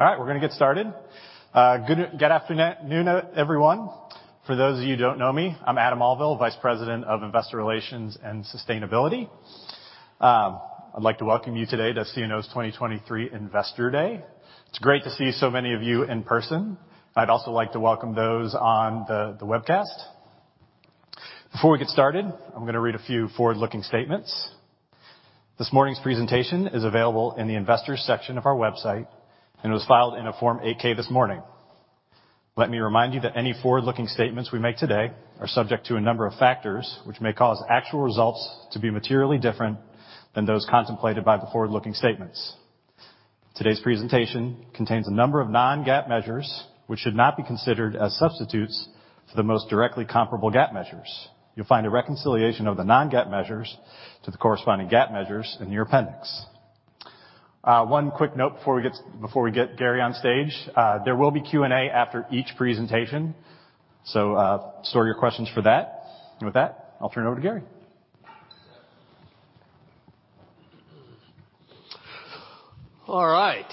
All right, we're gonna get started. Good afternoon, everyone. For those of you who don't know me, I'm Adam Auvil, Vice President of Investor Relations and Sustainability. I'd like to welcome you today to CNO's 2023 Investor Day. It's great to see so many of you in person. I'd also like to welcome those on the webcast. Before we get started, I'm gonna read a few forward-looking statements. This morning's presentation is available in the investors section of our website and was filed in a Form 8-K this morning. Let me remind you that any forward-looking statements we make today are subject to a number of factors, which may cause actual results to be materially different than those contemplated by the forward-looking statements. Today's presentation contains a number of non-GAAP measures, which should not be considered as substitutes to the most directly comparable GAAP measures. You'll find a reconciliation of the non-GAAP measures to the corresponding GAAP measures in your appendix. One quick note before we get Gary on stage. There will be Q&A after each presentation, so store your questions for that. With that, I'll turn it over to Gary. All right.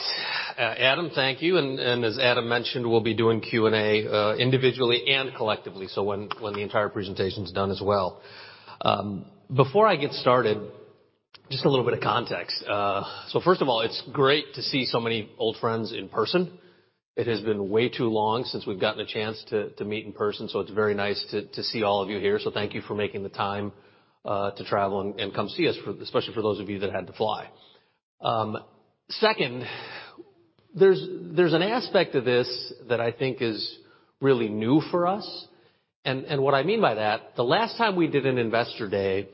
Adam, thank you. As Adam mentioned, we'll be doing Q&A individually and collectively, when the entire presentation's done as well. Before I get started, just a little bit of context. First of all, it's great to see so many old friends in person. It has been way too long since we've gotten a chance to meet in person, it's very nice to see all of you here. Thank you for making the time to travel and come see us especially for those of you that had to fly. Second, there's an aspect to this that I think is really new for us. What I mean by that, the last time we did an Investor Day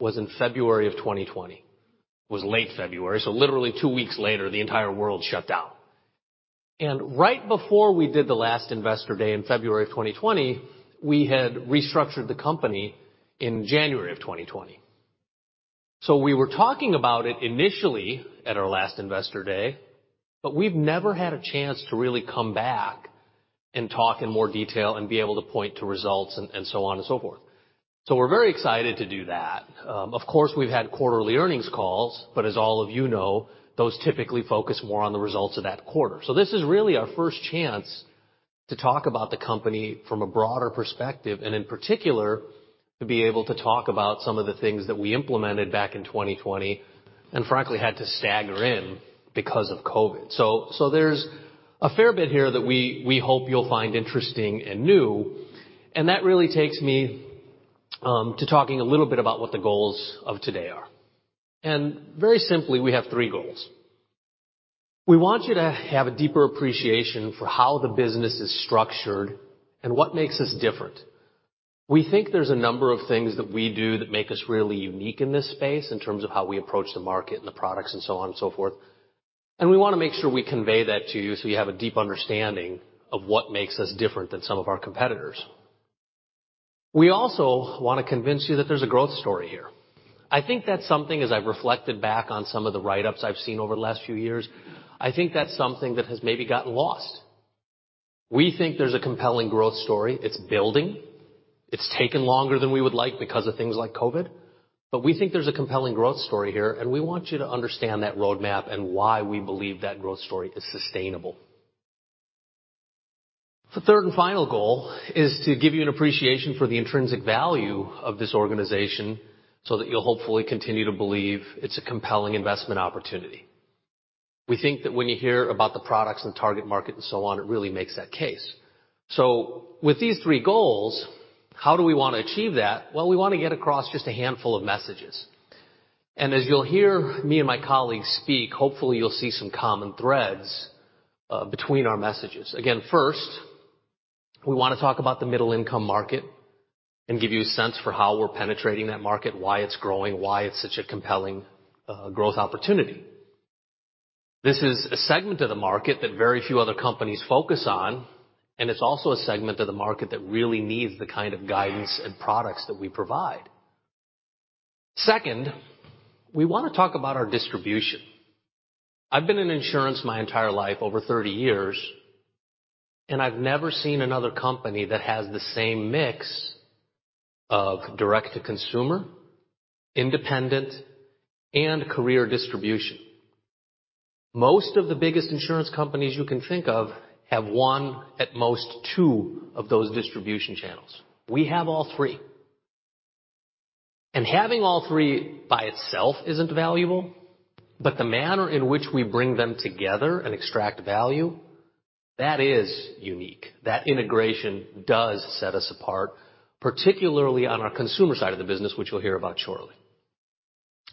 was in February of 2020. It was late February, so literally two weeks later, the entire world shut down. Right before we did the last Investor Day in February of 2020, we had restructured the company in January of 2020. We were talking about it initially at our last Investor Day, but we've never had a chance to really come back and talk in more detail and be able to point to results and so on and so forth. We're very excited to do that. Of course, we've had quarterly earnings calls, but as all of you know, those typically focus more on the results of that quarter. This is really our first chance to talk about the company from a broader perspective, and in particular, to be able to talk about some of the things that we implemented back in 2020, and frankly, had to stagger in because of COVID. There's a fair bit here that we hope you'll find interesting and new, and that really takes me to talking a little bit about what the goals of today are. Very simply, we have three goals. We want you to have a deeper appreciation for how the business is structured and what makes us different. We think there's a number of things that we do that make us really unique in this space in terms of how we approach the market and the products and so on and so forth. We wanna make sure we convey that to you so you have a deep understanding of what makes us different than some of our competitors. We also wanna convince you that there's a growth story here. I think that's something, as I've reflected back on some of the write-ups I've seen over the last few years, I think that's something that has maybe gotten lost. We think there's a compelling growth story. It's building. It's taken longer than we would like because of things like COVID. We think there's a compelling growth story here, and we want you to understand that roadmap and why we believe that growth story is sustainable. The third and final goal is to give you an appreciation for the intrinsic value of this organization, so that you'll hopefully continue to believe it's a compelling investment opportunity. We think that when you hear about the products and target market and so on, it really makes that case. With these three goals, how do we wanna achieve that? Well, we wanna get across just a handful of messages. As you'll hear me and my colleagues speak, hopefully you'll see some common threads between our messages. Again, first, we wanna talk about the middle income market and give you a sense for how we're penetrating that market, why it's growing, why it's such a compelling growth opportunity. This is a segment of the market that very few other companies focus on, and it's also a segment of the market that really needs the kind of guidance and products that we provide. Second, we wanna talk about our distribution. I've been in insurance my entire life, over 30 years. I've never seen another company that has the same mix of direct-to-consumer, independent, and career distribution. Most of the biggest insurance companies you can think of have one, at most two, of those distribution channels. We have all three. Having all three by itself isn't valuable. The manner in which we bring them together and extract value, that is unique. That integration does set us apart, particularly on our consumer side of the business, which you'll hear about shortly.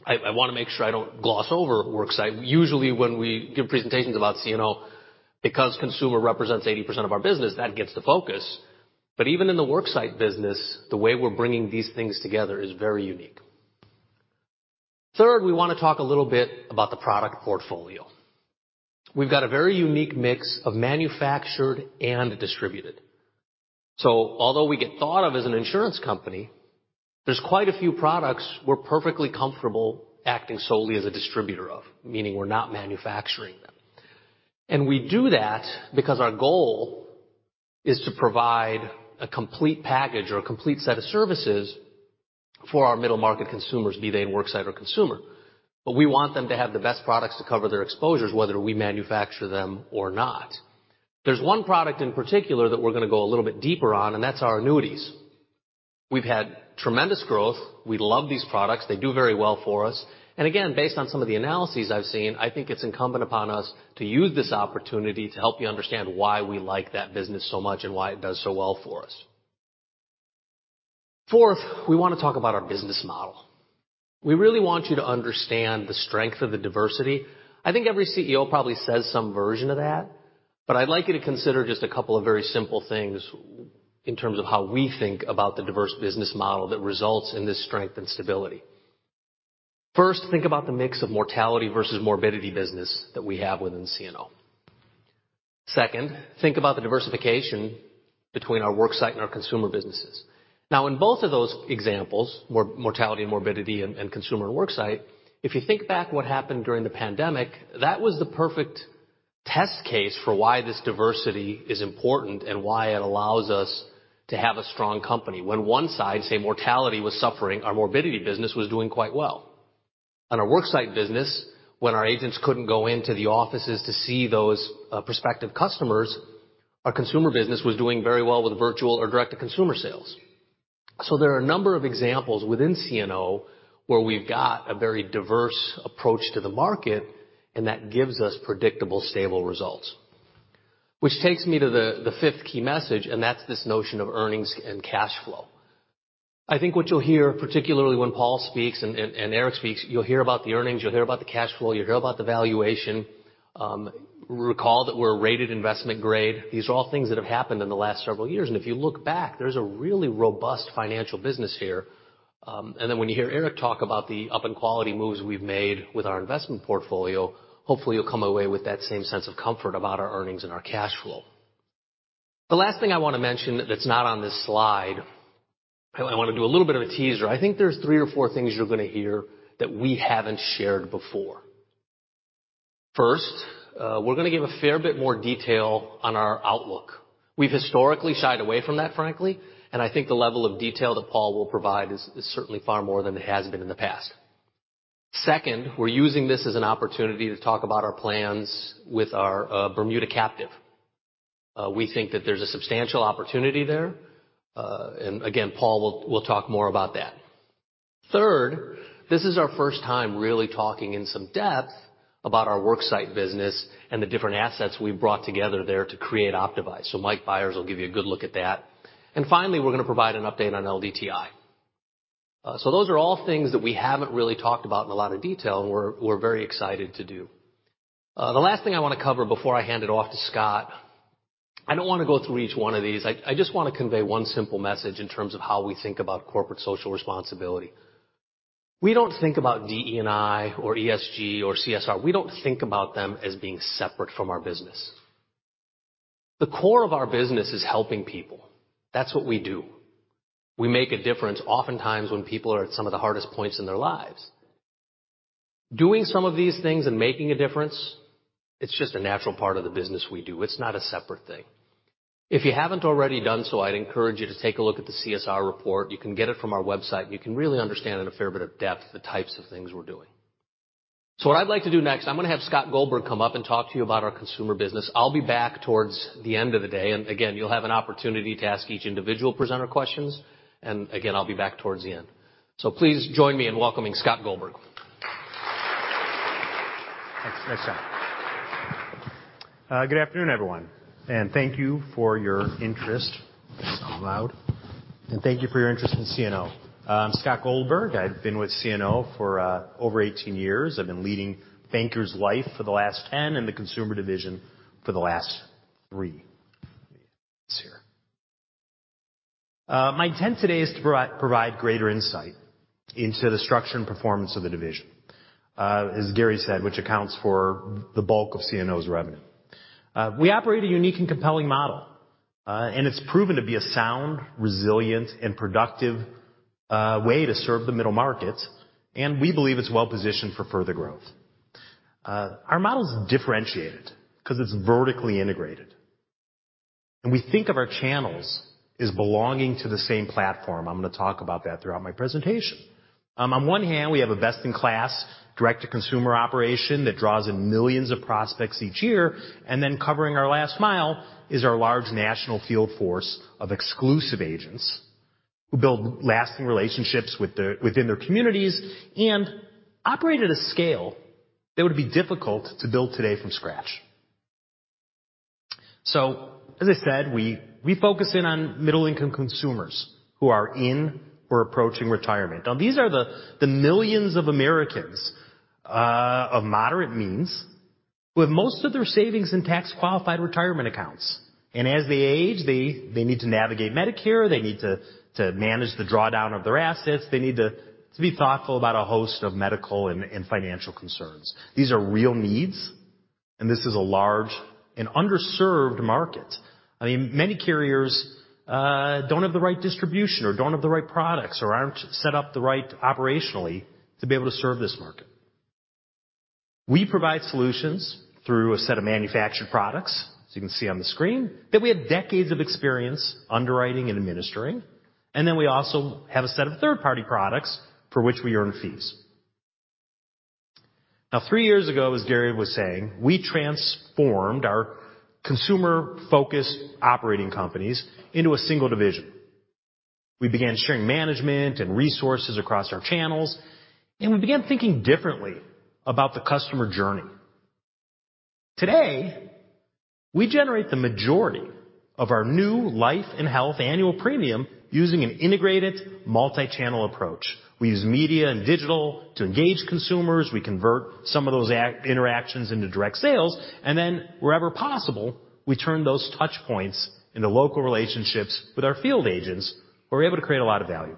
I wanna make sure I don't gloss over worksite. Usually, when we give presentations about CNO, because consumer represents 80% of our business, that gets the focus. Even in the worksite business, the way we're bringing these things together is very unique. Third, we wanna talk a little bit about the product portfolio. We've got a very unique mix of manufactured and distributed. Although we get thought of as an insurance company, there's quite a few products we're perfectly comfortable acting solely as a distributor of, meaning we're not manufacturing them. We do that because our goal is to provide a complete package or a complete set of services for our middle market consumers, be they work site or consumer. We want them to have the best products to cover their exposures, whether we manufacture them or not. There's one product in particular that we're going to go a little bit deeper on, and that's our annuities. We've had tremendous growth. We love these products. They do very well for us. Again, based on some of the analyses I've seen, I think it's incumbent upon us to use this opportunity to help you understand why we like that business so much and why it does so well for us. Fourth, we want to talk about our business model. We really want you to understand the strength of the diversity. I think every CEO probably says some version of that, but I'd like you to consider just a couple of very simple things in terms of how we think about the diverse business model that results in this strength and stability. First, think about the mix of mortality versus morbidity business that we have within CNO. Second, think about the diversification between our work site and our consumer businesses. In both of those examples, mortality and morbidity and consumer and worksite, if you think back what happened during the pandemic, that was the perfect test case for why this diversity is important and why it allows us to have a strong company. When one side, say, mortality, was suffering, our morbidity business was doing quite well. Our worksite business, when our agents couldn't go into the offices to see those prospective customers, our consumer business was doing very well with virtual or direct-to-consumer sales. There are a number of examples within CNO where we've got a very diverse approach to the market, and that gives us predictable, stable results. That takes me to the fifth key message, and that's this notion of earnings and cash flow. I think what you'll hear, particularly when Paul speaks, and Eric speaks, you'll hear about the earnings, you'll hear about the cash flow, you'll hear about the valuation. Recall that we're rated investment grade. These are all things that have happened in the last several years, and if you look back, there's a really robust financial business here. When you hear Eric talk about the up in quality moves we've made with our investment portfolio, hopefully you'll come away with that same sense of comfort about our earnings and our cash flow. The last thing I want to mention that's not on this slide, I want to do a little bit of a teaser. I think there's three or four things you're going to hear that we haven't shared before. First, we're going to give a fair bit more detail on our outlook. We've historically shied away from that, frankly. I think the level of detail that Paul will provide is certainly far more than it has been in the past. Second, we're using this as an opportunity to talk about our plans with our Bermuda captive. We think that there's a substantial opportunity there. Again, Paul will talk more about that. Third, this is our first time really talking in some depth about our worksite business and the different assets we've brought together there to create Optavise. Mike Byers will give you a good look at that. Finally, we're going to provide an update on LDTI. Those are all things that we haven't really talked about in a lot of detail, and we're very excited to do. The last thing I want to cover before I hand it off to Scott, I don't want to go through each one of these. I just want to convey one simple message in terms of how we think about corporate social responsibility. We don't think about DE&I or ESG or CSR. We don't think about them as being separate from our business. The core of our business is helping people. That's what we do. We make a difference oftentimes when people are at some of the hardest points in their lives. Doing some of these things and making a difference, it's just a natural part of the business we do. It's not a separate thing. If you haven't already done so, I'd encourage you to take a look at the CSR report. You can get it from our website. You can really understand in a fair bit of depth the types of things we're doing. What I'd like to do next, I'm going to have Scott Goldberg come up and talk to you about our consumer business. I'll be back towards the end of the day, again, you'll have an opportunity to ask each individual presenter questions. Again, I'll be back towards the end. Please join me in welcoming Scott Goldberg. Thanks. Thanks, Scott. Good afternoon, everyone, and thank you for your interest. This is loud. Thank you for your interest in CNO. I'm Scott Goldberg. I've been with CNO for over 18 years. I've been leading Bankers Life for the last 10, and the consumer division for the last three. Let me get this here. My intent today is to provide greater insight into the structure and performance of the division. As Gary said, which accounts for the bulk of CNO's revenue. We operate a unique and compelling model, and it's proven to be a sound, resilient, and productive way to serve the middle market, and we believe it's well-positioned for further growth. Our model is differentiated 'cause it's vertically integrated. We think of our channels as belonging to the same platform. I'm gonna talk about that throughout my presentation. On one hand, we have a best-in-class direct-to-consumer operation that draws in millions of prospects each year, covering our last mile is our large national field force of exclusive agents who build lasting relationships within their communities and operate at a scale that would be difficult to build today from scratch. As I said, we focus in on middle-income consumers who are in or approaching retirement. These are the millions of Americans of moderate means with most of their savings in tax-qualified retirement accounts. As they age, they need to navigate Medicare, they need to manage the drawdown of their assets, they need to be thoughtful about a host of medical and financial concerns. These are real needs, this is a large and underserved market. I mean, many carriers don't have the right distribution or don't have the right products or aren't set up the right operationally to be able to serve this market. We provide solutions through a set of manufactured products, as you can see on the screen, that we have decades of experience underwriting and administering, and then we also have a set of third-party products for which we earn fees. Three years ago, as Gary was saying, we transformed our consumer-focused operating companies into a single division. We began sharing management and resources across our channels, and we began thinking differently about the customer journey. Today, we generate the majority of our new life and health annual premium using an integrated multi-channel approach. We use media and digital to engage consumers, we convert some of those interactions into direct sales, and then wherever possible, we turn those touch points into local relationships with our field agents who are able to create a lot of value.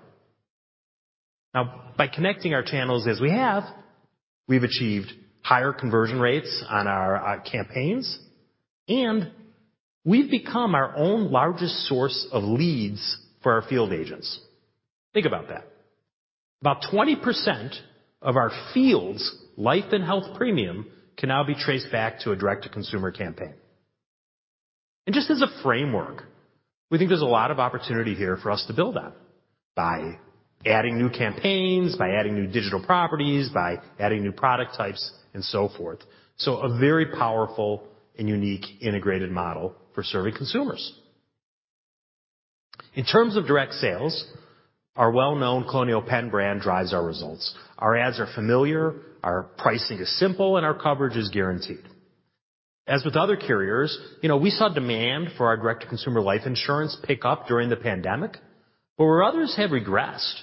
Now, by connecting our channels as we have, we've achieved higher conversion rates on our campaigns, and we've become our own largest source of leads for our field agents. Think about that. About 20% of our field's life and health premium can now be traced back to a direct-to-consumer campaign. Just as a framework, we think there's a lot of opportunity here for us to build on by adding new campaigns, by adding new digital properties, by adding new product types, and so forth. A very powerful and unique integrated model for serving consumers. In terms of direct sales, our well-known Colonial Penn brand drives our results. Our ads are familiar, our pricing is simple, and our coverage is guaranteed. As with other carriers, you know, we saw demand for our direct consumer life insurance pick up during the pandemic. Where others have regressed,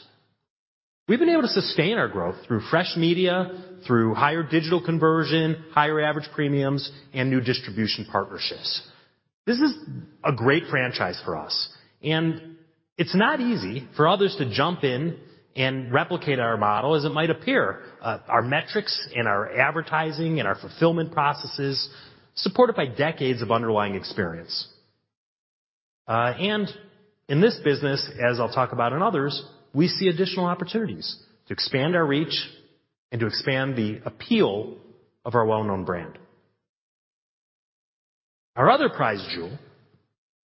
we've been able to sustain our growth through fresh media, through higher digital conversion, higher average premiums, and new distribution partnerships. This is a great franchise for us, and it's not easy for others to jump in and replicate our model as it might appear. Our metrics, and our advertising, and our fulfillment processes supported by decades of underlying experience. In this business, as I'll talk about in others, we see additional opportunities to expand our reach and to expand the appeal of our well-known brand. Our other prize jewel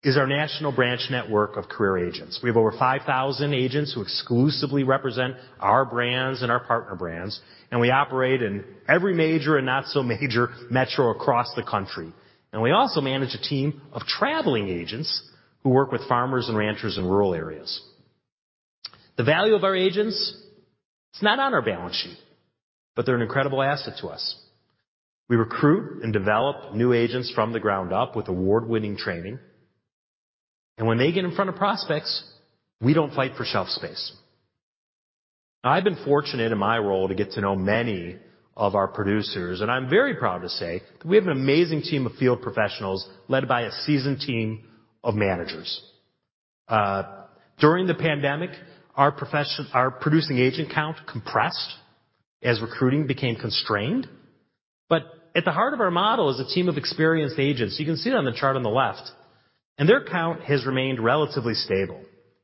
is our national branch network of career agents. We have over 5,000 agents who exclusively represent our brands and our partner brands. We operate in every major and not-so-major metro across the country. We also manage a team of traveling agents who work with farmers and ranchers in rural areas. The value of our agents, it's not on our balance sheet. They're an incredible asset to us. We recruit and develop new agents from the ground up with award-winning training. When they get in front of prospects, we don't fight for shelf space. I've been fortunate in my role to get to know many of our producers. I'm very proud to say that we have an amazing team of field professionals led by a seasoned team of managers. During the pandemic, our profession, our producing agent count compressed as recruiting became constrained. At the heart of our model is a team of experienced agents. You can see it on the chart on the left, and their count has remained relatively stable,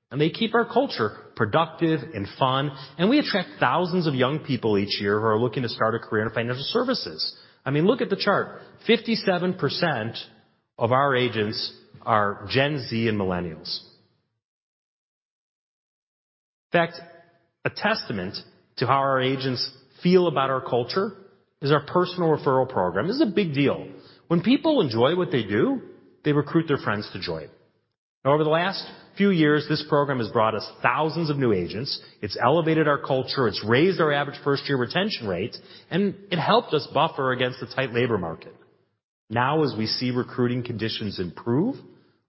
and they keep our culture productive and fun. We attract thousands of young people each year who are looking to start a career in financial services. I mean, look at the chart. 57% of our agents are Gen Z and millennials. In fact, a testament to how our agents feel about our culture is our personal referral program. This is a big deal. When people enjoy what they do, they recruit their friends to join. Over the last few years, this program has brought us thousands of new agents. It's elevated our culture, it's raised our average first-year retention rate, and it helped us buffer against the tight labor market. As we see recruiting conditions improve,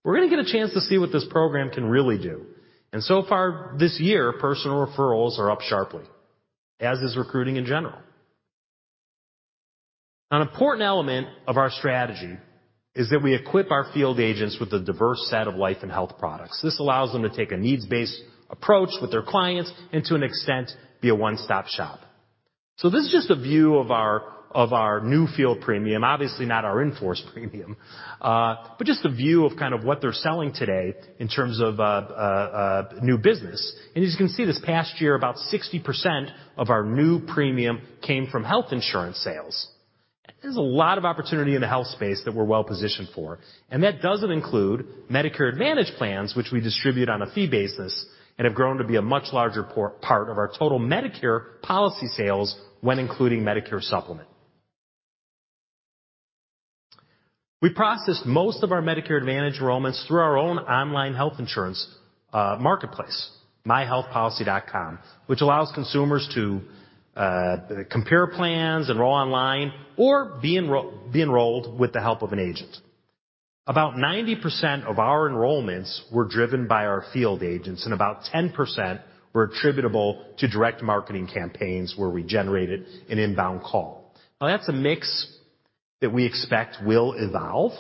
we're gonna get a chance to see what this program can really do. So far this year, personal referrals are up sharply, as is recruiting in general. An important element of our strategy is that we equip our field agents with a diverse set of life and health products. This allows them to take a needs-based approach with their clients and to an extent, be a one-stop shop. This is just a view of our new field premium. Obviously, not our in-force premium, but just a view of kind of what they're selling today in terms of new business. As you can see, this past year, about 60% of our new premium came from health insurance sales. There's a lot of opportunity in the health space that we're well-positioned for, and that doesn't include Medicare Advantage plans, which we distribute on a fee basis and have grown to be a much larger part of our total Medicare policy sales when including Medicare Supplement. We processed most of our Medicare Advantage enrollments through our own online health insurance marketplace, myHealthPolicy.com, which allows consumers to compare plans, enroll online, or be enrolled with the help of an agent. About 90% of our enrollments were driven by our field agents, and about 10% were attributable to direct marketing campaigns where we generated an inbound call. That's a mix that we expect will evolve,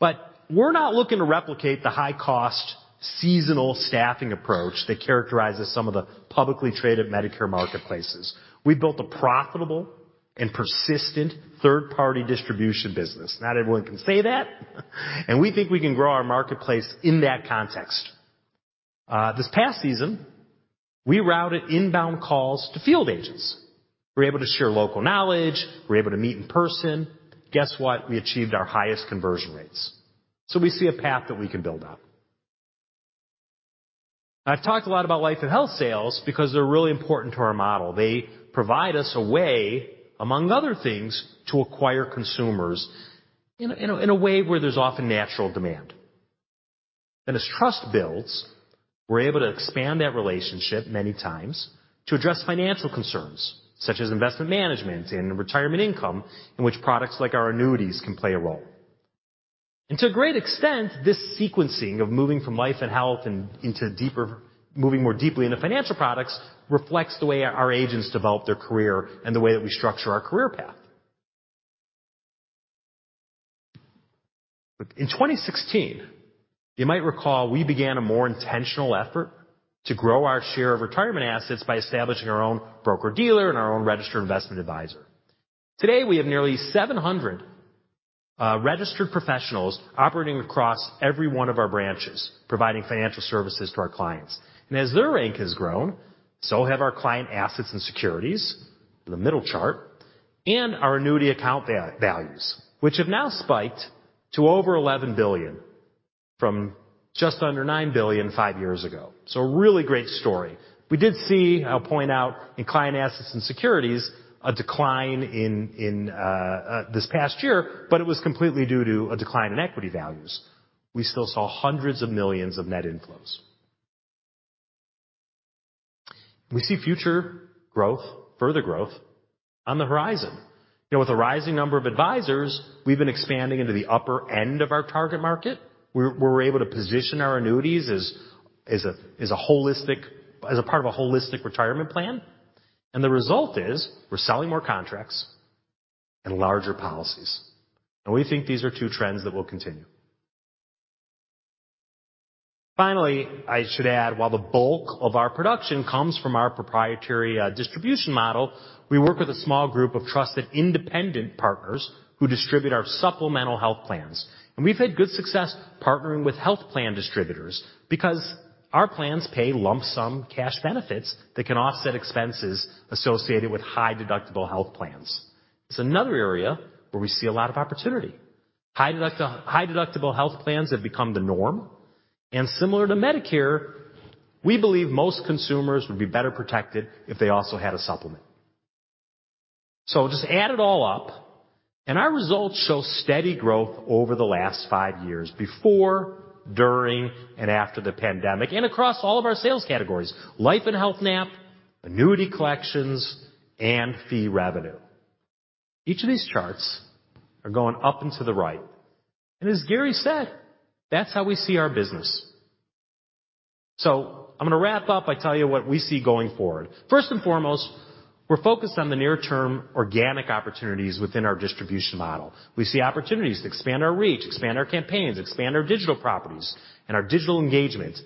but we're not looking to replicate the high-cost seasonal staffing approach that characterizes some of the publicly traded Medicare marketplaces. We've built a profitable and persistent third-party distribution business. Not everyone can say that. We think we can grow our marketplace in that context. This past season, we routed inbound calls to field agents. We're able to share local knowledge. We're able to meet in person. Guess what? We achieved our highest conversion rates. We see a path that we can build on. I've talked a lot about life and health sales because they're really important to our model. They provide us a way, among other things, to acquire consumers in a way where there's often natural demand. As trust builds, we're able to expand that relationship many times to address financial concerns such as investment management and retirement income, in which products like our annuities can play a role. To a great extent, this sequencing of moving from life and health and into moving more deeply into financial products reflects the way our agents develop their career and the way that we structure our career path. In 2016, you might recall, we began a more intentional effort to grow our share of retirement assets by establishing our own broker-dealer and our own registered investment advisor. Today, we have nearly 700 registered professionals operating across every one of our branches, providing financial services to our clients. As their rank has grown, so have our client assets and securities, the middle chart, and our annuity account values, which have now spiked to over $11 billion from just under $9 billion five years ago. A really great story. We did see, I'll point out in client assets and securities, a decline in this past year, it was completely due to a decline in equity values. We still saw hundreds of millions of net inflows. We see future growth, further growth on the horizon. You know, with a rising number of advisors, we've been expanding into the upper end of our target market, where we're able to position our annuities as a part of a holistic retirement plan. The result is we're selling more contracts and larger policies. We think these are two trends that will continue. Finally, I should add, while the bulk of our production comes from our proprietary distribution model, we work with a small group of trusted independent partners who distribute our supplemental health plans. We've had good success partnering with health plan distributors because our plans pay lump-sum cash benefits that can offset expenses associated with high-deductible health plans. It's another area where we see a lot of opportunity. High-deductible health plans have become the norm, and similar to Medicare, we believe most consumers would be better protected if they also had a supplement. Just add it all up, and our results show steady growth over the last five years, before, during, and after the pandemic, and across all of our sales categories, life and health NAP, annuity collections, and fee revenue. Each of these charts are going up and to the right. As Gary said, that's how we see our business. I'm gonna wrap up by telling you what we see going forward. First and foremost, we're focused on the near- term organic opportunities within our distribution model. We see opportunities to expand our reach, expand our campaigns, expand our digital properties and our digital engagement,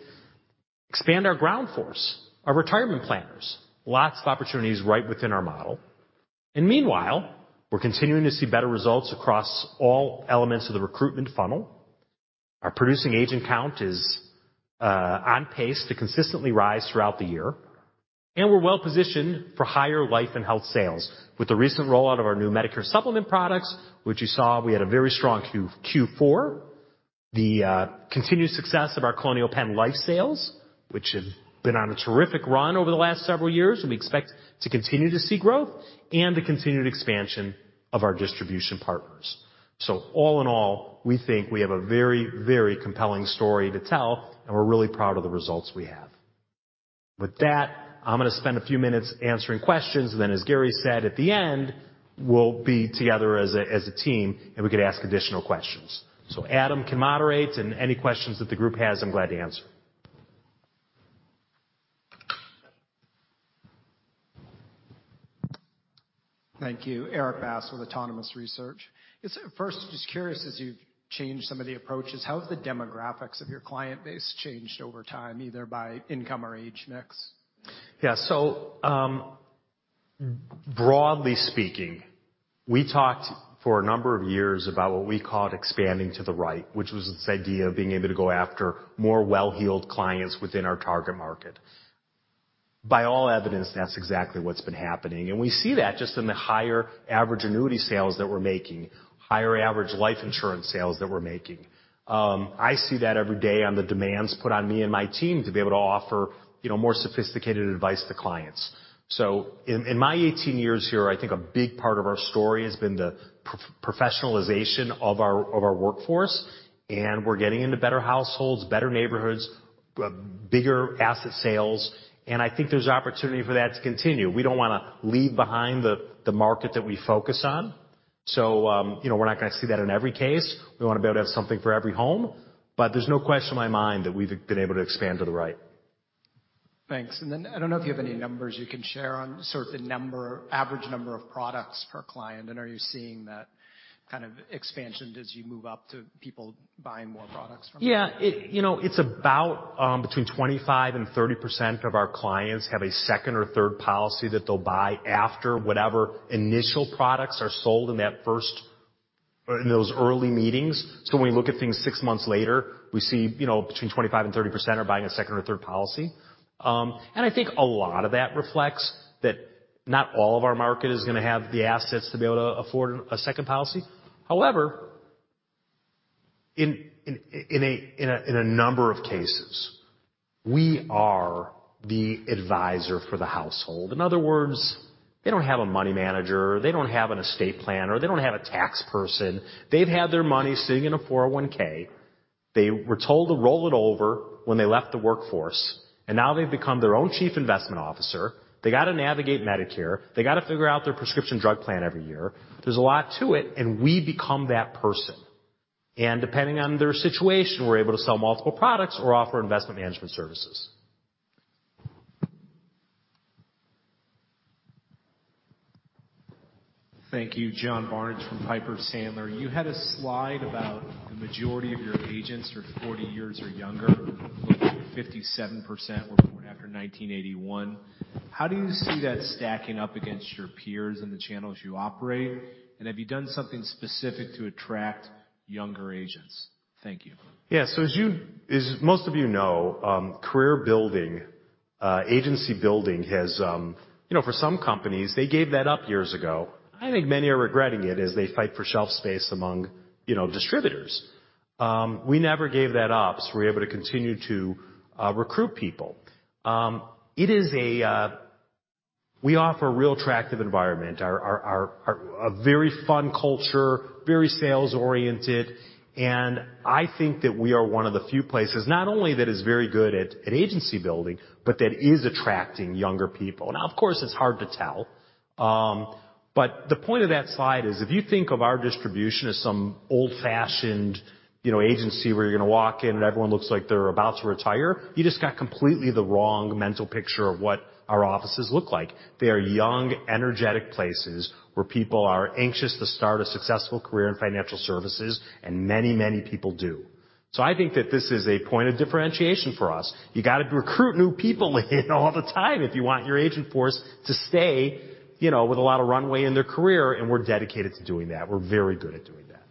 expand our ground force, our retirement planners. Lots of opportunities right within our model. Meanwhile, we're continuing to see better results across all elements of the recruitment funnel. Our producing agent count is on pace to consistently rise throughout the year. We're well-positioned for higher life and health sales. With the recent rollout of our new Medicare Supplement products, which you saw, we had a very strong Q-Q four. The continued success of our Colonial Penn life sales, which have been on a terrific run over the last several years, and we expect to continue to see growth and the continued expansion of our distribution partners. All in all, we think we have a very, very compelling story to tell, and we're really proud of the results we have. With that, I'm gonna spend a few minutes answering questions. As Gary said at the end, we'll be together as a team, and we could ask additional questions. Adam can moderate, and any questions that the group has, I'm glad to answer. Thank you. Erik Bass with Autonomous Research. First, just curious, as you've changed some of the approaches, how have the demographics of your client base changed over time, either by income or age mix? Broadly speaking, we talked for a number of years about what we called expanding to the right, which was this idea of being able to go after more well-heeled clients within our target market. By all evidence, that's exactly what's been happening. We see that just in the higher average annuity sales that we're making, higher average life insurance sales that we're making. I see that every day on the demands put on me and my team to be able to offer, you know, more sophisticated advice to clients. In my 18 years here, I think a big part of our story has been the pro-professionalization of our workforce. We're getting into better households, better neighborhoods, bigger asset sales. I think there's opportunity for that to continue. We don't wanna leave behind the market that we focus on. You know, we're not gonna see that in every case. We wanna be able to have something for every home. There's no question in my mind that we've been able to expand to the right. Thanks. I don't know if you have any numbers you can share on sort of the average number of products per client, and are you seeing that kind of expansion as you move up to people buying more products from you? Yeah. You know, it's about, between 25% and 30% of our clients have a second or third policy that they'll buy after whatever initial products are sold in that first. In those early meetings. When we look at things six months later, we see, you know, between 25% and 30% are buying a second or third policy. I think a lot of that reflects that not all of our market is gonna have the assets to be able to afford a second policy. However, in a number of cases, we are the advisor for the household. In other words, they don't have a money manager, they don't have an estate planner, they don't have a tax person. They've had their money sitting in a 401(k). They were told to roll it over when they left the workforce, and now they've become their own Chief Investment Officer. They gotta navigate Medicare. They gotta figure out their prescription drug plan every year. There's a lot to it, and we become that person. Depending on their situation, we're able to sell multiple products or offer investment management services. Thank you. John Barnidge from Piper Sandler. You had a slide about the majority of your agents are 40 years or younger. 57% were born after 1981. How do you see that stacking up against your peers in the channels you operate? Have you done something specific to attract younger agents? Thank you. Yeah. As most of you know, career building, agency building has, you know, for some companies, they gave that up years ago. I think many are regretting it as they fight for shelf space among, you know, distributors. We never gave that up, so we're able to continue to recruit people. We offer a real attractive environment. A very fun culture, very sales-oriented, and I think that we are one of the few places, not only that is very good at agency building, but that is attracting younger people. Now, of course, it's hard to tell. The point of that slide is if you think of our distribution as some old-fashioned, you know, agency, where you're gonna walk in, and everyone looks like they're about to retire, you just got completely the wrong mental picture of what our offices look like. They are young, energetic places where people are anxious to start a successful career in financial services, and many, many people do. I think that this is a point of differentiation for us. You got to recruit new people in all the time if you want your agent force to stay, you know, with a lot of runway in their career, and we're dedicated to doing that. We're very good at doing that.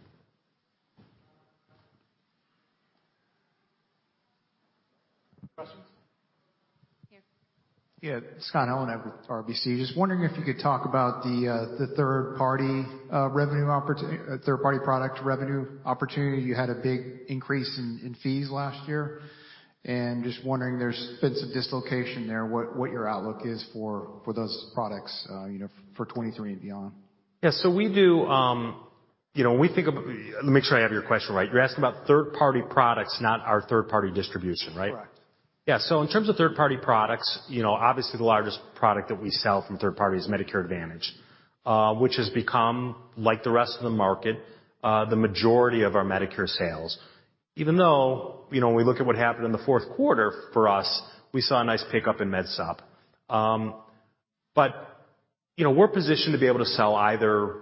Questions? Yeah. Scott Heleniak with RBC. Just wondering if you could talk about the third-party product revenue opportunity. You had a big increase in fees last year. Just wondering, there's been some dislocation there, what's your outlook is for those products, you know, for 2023 and beyond? Yes, we do, you know, Let me make sure I have your question right. You're asking about third-party products, not our third-party distribution, right? Correct. Yeah. In terms of third-party products, you know, obviously, the largest product that we sell from third-party is Medicare Advantage, which has become like the rest of the market, the majority of our Medicare sales. Even though, you know, when we look at what happened in the fourth quarter for us, we saw a nice pickup in Med Supp. You know, we're positioned to be able to sell either.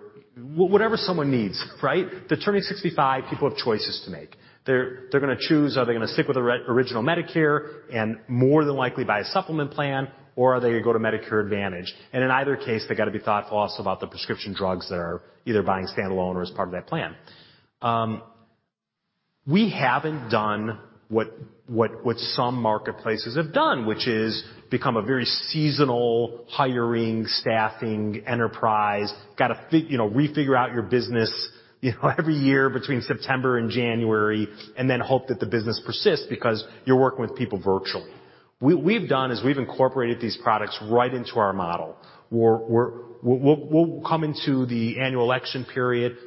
Whatever someone needs, right? They're turning 65, people have choices to make. They're gonna choose, are they gonna stick with the re-original Medicare and more than likely buy a supplement plan, or are they gonna go to Medicare Advantage? In either case, they've got to be thoughtful also about the prescription drugs that are either buying standalone or as part of that plan. We haven't done what some marketplaces have done, which is become a very seasonal hiring, staffing enterprise. You know, refigure out your business, you know, every year between September and January, and then hope that the business persists because you're working with people virtually. We've done is we've incorporated these products right into our model. We'll come into the annual election period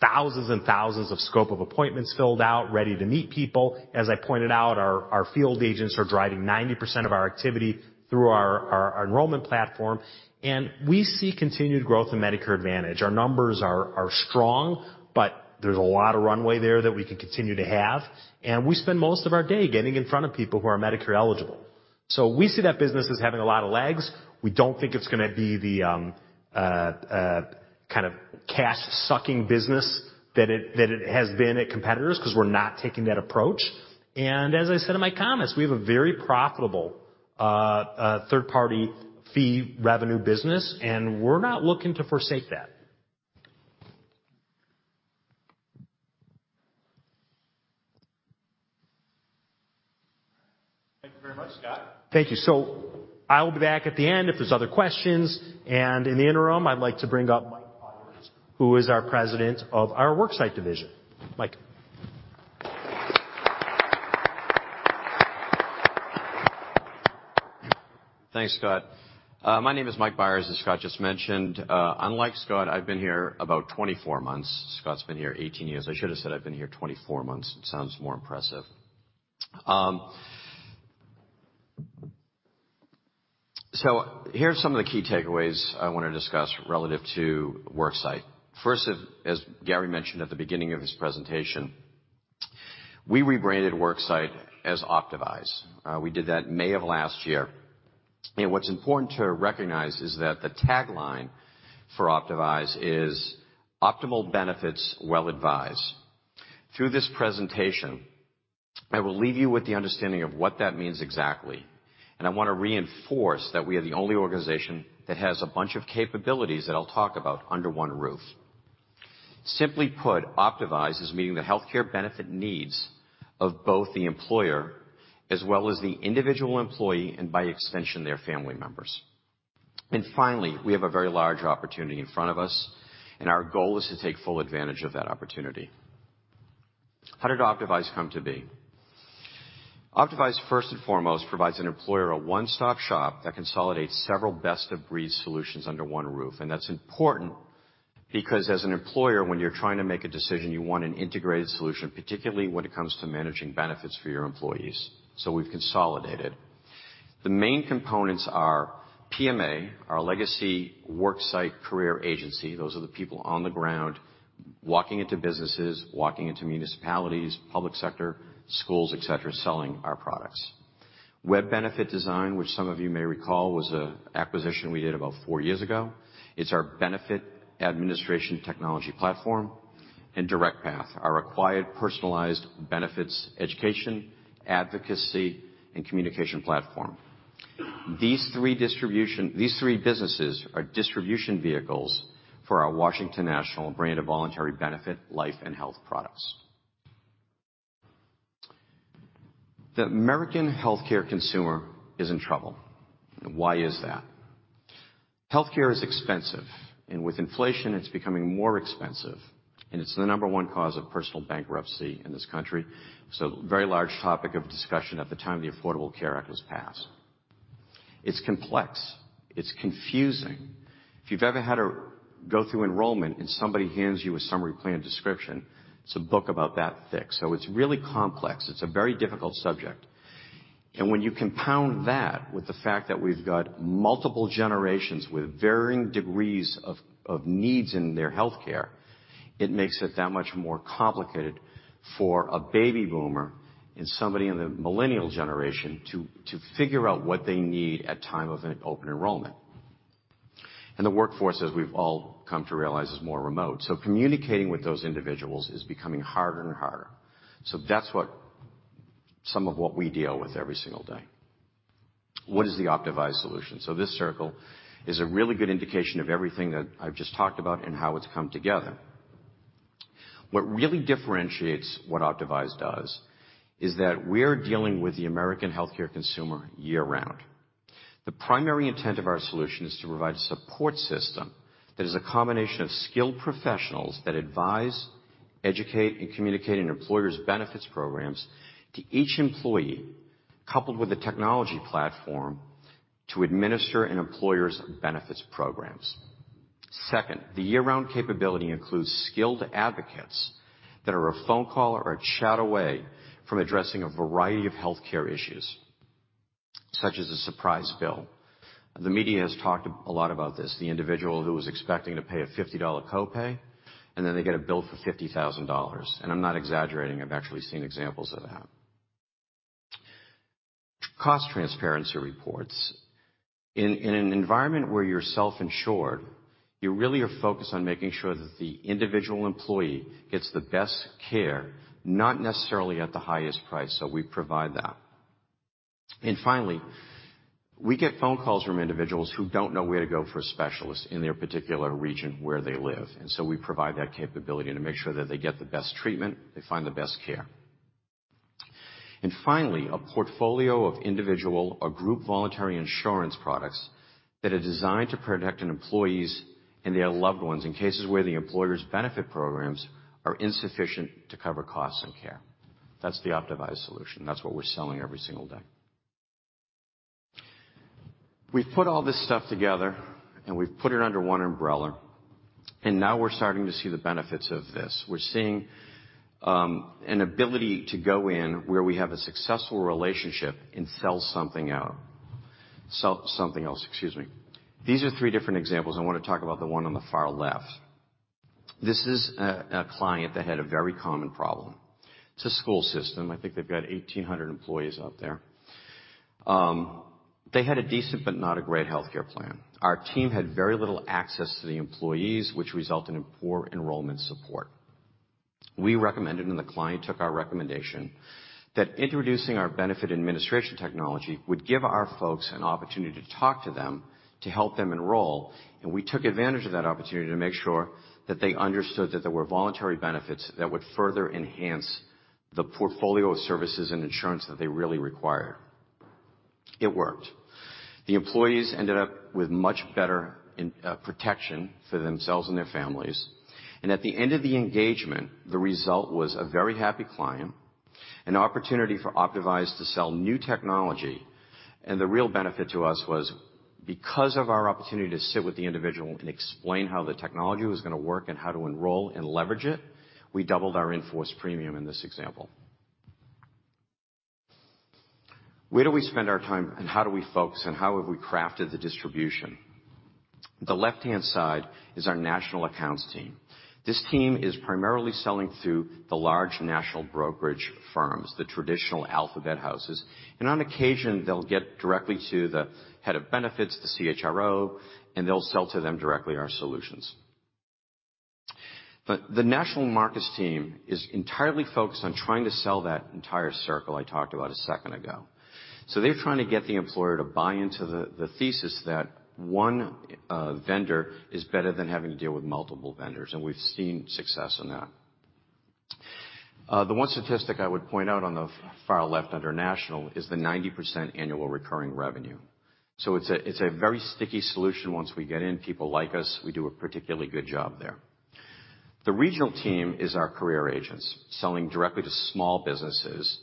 with thousands and thousands of scope of appointments filled out, ready to meet people. As I pointed out, our field agents are driving 90% of our activity through our enrollment platform, and we see continued growth in Medicare Advantage. Our numbers are strong, but there's a lot of runway there that we can continue to have. We spend most of our day getting in front of people who are Medicare eligible. We see that business as having a lot of legs. We don't think it's gonna be the kind of cash-sucking business that it has been at competitors because we're not taking that approach. As I said in my comments, we have a very profitable third-party fee revenue business, and we're not looking to forsake that. Thank you very much, Scott. Thank you. I'll be back at the end if there's other questions. In the interim, I'd like to bring up Mike Byers, who is our President of our worksite division. Mike. Thanks, Scott. My name is Mike Byers, as Scott just mentioned. Unlike Scott, I've been here about 24 months. Scott's been here 18 years. I should have said I've been here 24 months. It sounds more impressive. Here are some of the key takeaways I want to discuss relative to Worksite. First, as Gary mentioned at the beginning of his presentation, we rebranded Worksite as Optavise. We did that May of last year. What's important to recognize is that the tagline for Optavise is optimal benefits, well-advised. Through this presentation I will leave you with the understanding of what that means exactly. I wanna reinforce that we are the only organization that has a bunch of capabilities that I'll talk about under one roof. Simply put, Optavise is meeting the healthcare benefit needs of both the employer as well as the individual employee and by extension, their family members. Finally, we have a very large opportunity in front of us, and our goal is to take full advantage of that opportunity. How did Optavise come to be? Optavise, first and foremost, provides an employer a one-stop shop that consolidates several best-of-breed solutions under one roof. That's important because as an employer, when you're trying to make a decision, you want an integrated solution, particularly when it comes to managing benefits for your employees. We've consolidated. The main components are PMA, our legacy worksite career agency. Those are the people on the ground, walking into businesses, walking into municipalities, public sector, schools, et cetera, selling our products. Web Benefits Design, which some of you may recall, was a acquisition we did about four years ago. It's our benefit administration technology platform. DirectPath, our acquired personalized benefits, education, advocacy, and communication platform. These three businesses are distribution vehicles for our Washington National brand of voluntary benefit, life and health products. The American healthcare consumer is in trouble. Why is that? Healthcare is expensive, and with inflation, it's becoming more expensive. It's the number one cause of personal bankruptcy in this country. Very large topic of discussion at the time the Affordable Care Act was passed. It's complex. It's confusing. If you've ever had go through enrollment and somebody hands you a summary plan description, it's a book about that thick. It's really complex. It's a very difficult subject. When you compound that with the fact that we've got multiple generations with varying degrees of needs in their healthcare, it makes it that much more complicated for a baby boomer and somebody in the millennial generation to figure out what they need at time of an open enrollment. The workforce, as we've all come to realize, is more remote. Communicating with those individuals is becoming harder and harder. That's some of what we deal with every single day. What is the Optavise solution? This circle is a really good indication of everything that I've just talked about and how it's come together. What really differentiates what Optavise does is that we're dealing with the American healthcare consumer year-round. The primary intent of our solution is to provide a support system that is a combination of skilled professionals that advise, educate, and communicate an employer's benefits programs to each employee, coupled with a technology platform to administer an employer's benefits programs. Second, the year-round capability includes skilled advocates that are a phone call or a chat away from addressing a variety of healthcare issues, such as a surprise bill. The media has talked a lot about this, the individual who was expecting to pay a $50 copay, and then they get a bill for $50,000. I'm not exaggerating, I've actually seen examples of that. Cost transparency reports. In an environment where you're self-insured, you really are focused on making sure that the individual employee gets the best care, not necessarily at the highest price. We provide that. Finally, we get phone calls from individuals who don't know where to go for a specialist in their particular region where they live. We provide that capability to make sure that they get the best treatment, they find the best care. Finally, a portfolio of individual or group voluntary insurance products that are designed to protect an employees and their loved ones in cases where the employer's benefit programs are insufficient to cover costs and care. That's the Optavise solution. That's what we're selling every single day. We've put all this stuff together, and we've put it under one umbrella, and now we're starting to see the benefits of this. We're seeing an ability to go in where we have a successful relationship and Sell something else, excuse me. These are three different examples. I wanna talk about the one on the far left. This is a client that had a very common problem. It's a school system. I think they've got 1,800 employees out there. They had a decent but not a great healthcare plan. Our team had very little access to the employees, which resulted in poor enrollment support. We recommended, and the client took our recommendation, that introducing our benefit administration technology would give our folks an opportunity to talk to them, to help them enroll, and we took advantage of that opportunity to make sure that they understood that there were voluntary benefits that would further enhance the portfolio of services and insurance that they really require. It worked. The employees ended up with much better in protection for themselves and their families. At the end of the engagement, the result was a very happy client, an opportunity for Optavise to sell new technology. The real benefit to us was because of our opportunity to sit with the individual and explain how the technology was gonna work and how to enroll and leverage it, we doubled our in-force premium in this example. Where do we spend our time and how do we focus, and how have we crafted the distribution? The left-hand side is our national accounts team. This team is primarily selling through the large national brokerage firms, the traditional alphabet houses. On occasion, they'll get directly to the head of benefits, the CHRO, and they'll sell to them directly our solutions. The national markets team is entirely focused on trying to sell that entire circle I talked about a second ago. They're trying to get the employer to buy into the thesis that one vendor is better than having to deal with multiple vendors, and we've seen success in that. The 1 statistic I would point out on the far left under national is the 90% annual recurring revenue. It's a, it's a very sticky solution once we get in. People like us, we do a particularly good job there. The regional team is our career agents selling directly to small businesses,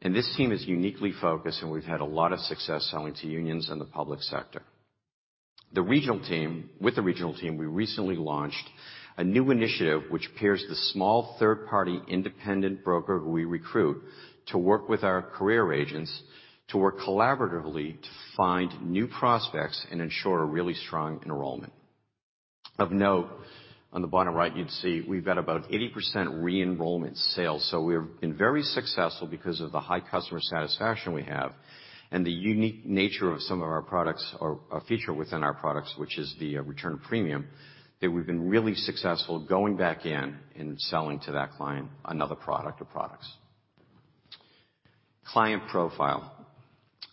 and this team is uniquely focused, and we've had a lot of success selling to unions in the public sector. The regional team-- With the regional team, we recently launched a new initiative which pairs the small third-party independent broker who we recruit to work with our career agents to work collaboratively to find new prospects and ensure a really strong enrollment. Of note, on the bottom right, you'd see we've got about 80% re-enrollment sales. We've been very successful because of the high customer satisfaction we have and the unique nature of some of our products or a feature within our products, which is the return of premium, that we've been really successful going back in and selling to that client another product or products. Client profile.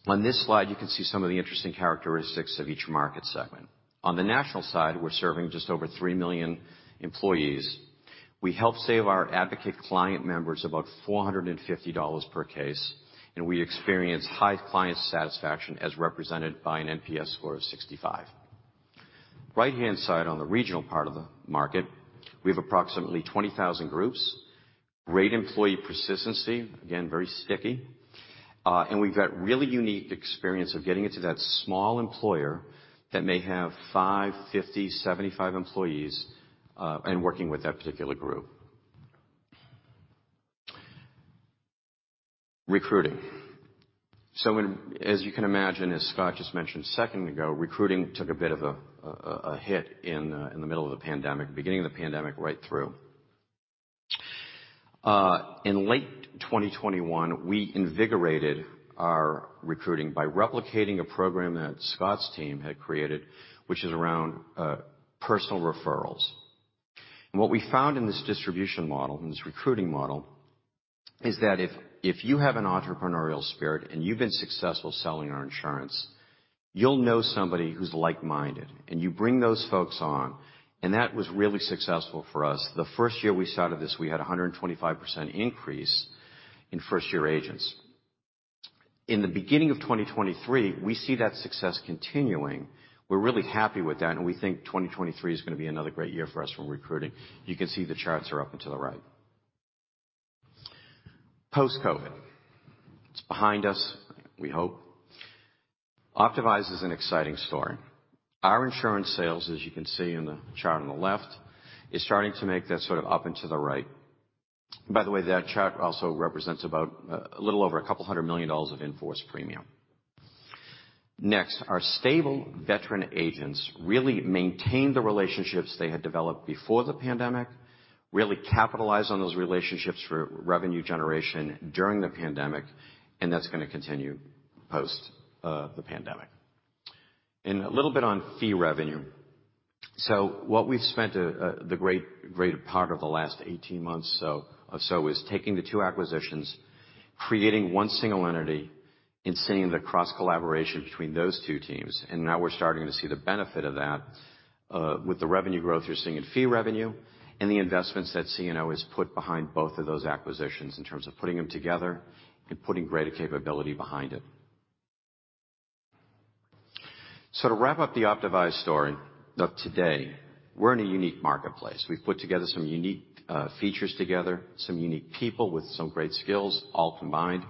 On this slide, you can see some of the interesting characteristics of each market segment. On the national side, we're serving just over 3 million employees. We help save our advocate client members about $450 per case, and we experience high client satisfaction as represented by an NPS score of 65. Right-hand side on the regional part of the market, we have approximately 20,000 groups. Great employee persistency, again, very sticky. We've got really unique experience of getting into that small employer that may have five, 50, 75 employees, and working with that particular group. Recruiting. As you can imagine, as Scott just mentioned a second ago, recruiting took a bit of a hit in the middle of the pandemic, beginning of the pandemic, right through. In late 2021, we invigorated our recruiting by replicating a program that Scott's team had created, which is around personal referrals. What we found in this distribution model, in this recruiting model, is that if you have an entrepreneurial spirit and you've been successful selling our insurance, you'll know somebody who's like-minded, and you bring those folks on. That was really successful for us. The first year we started this, we had a 125% increase in first-year agents. In the beginning of 2023, we see that success continuing. We're really happy with that, and we think 2023 is gonna be another great year for us for recruiting. You can see the charts are up and to the right. Post-COVID. It's behind us, we hope. Optavise is an exciting story. Our insurance sales, as you can see in the chart on the left, is starting to make that sort of up and to the right. By the way, that chart also represents about a little over $200 million of in-force premium. Next, our stable veteran agents really maintained the relationships they had developed before the pandemic, really capitalized on those relationships for revenue generation during the pandemic, and that's going to continue post the pandemic. A little bit on fee revenue. What we've spent the greater part of the last 18 months or so, is taking the two acquisitions, creating one single entity, and seeing the cross-collaboration between those two teams. Now we're starting to see the benefit of that with the revenue growth you're seeing in fee revenue and the investments that CNO has put behind both of those acquisitions in terms of putting them together and putting greater capability behind it. To wrap up the Optavise story of today, we're in a unique marketplace. We've put together some unique features together, some unique people with some great skills, all combined.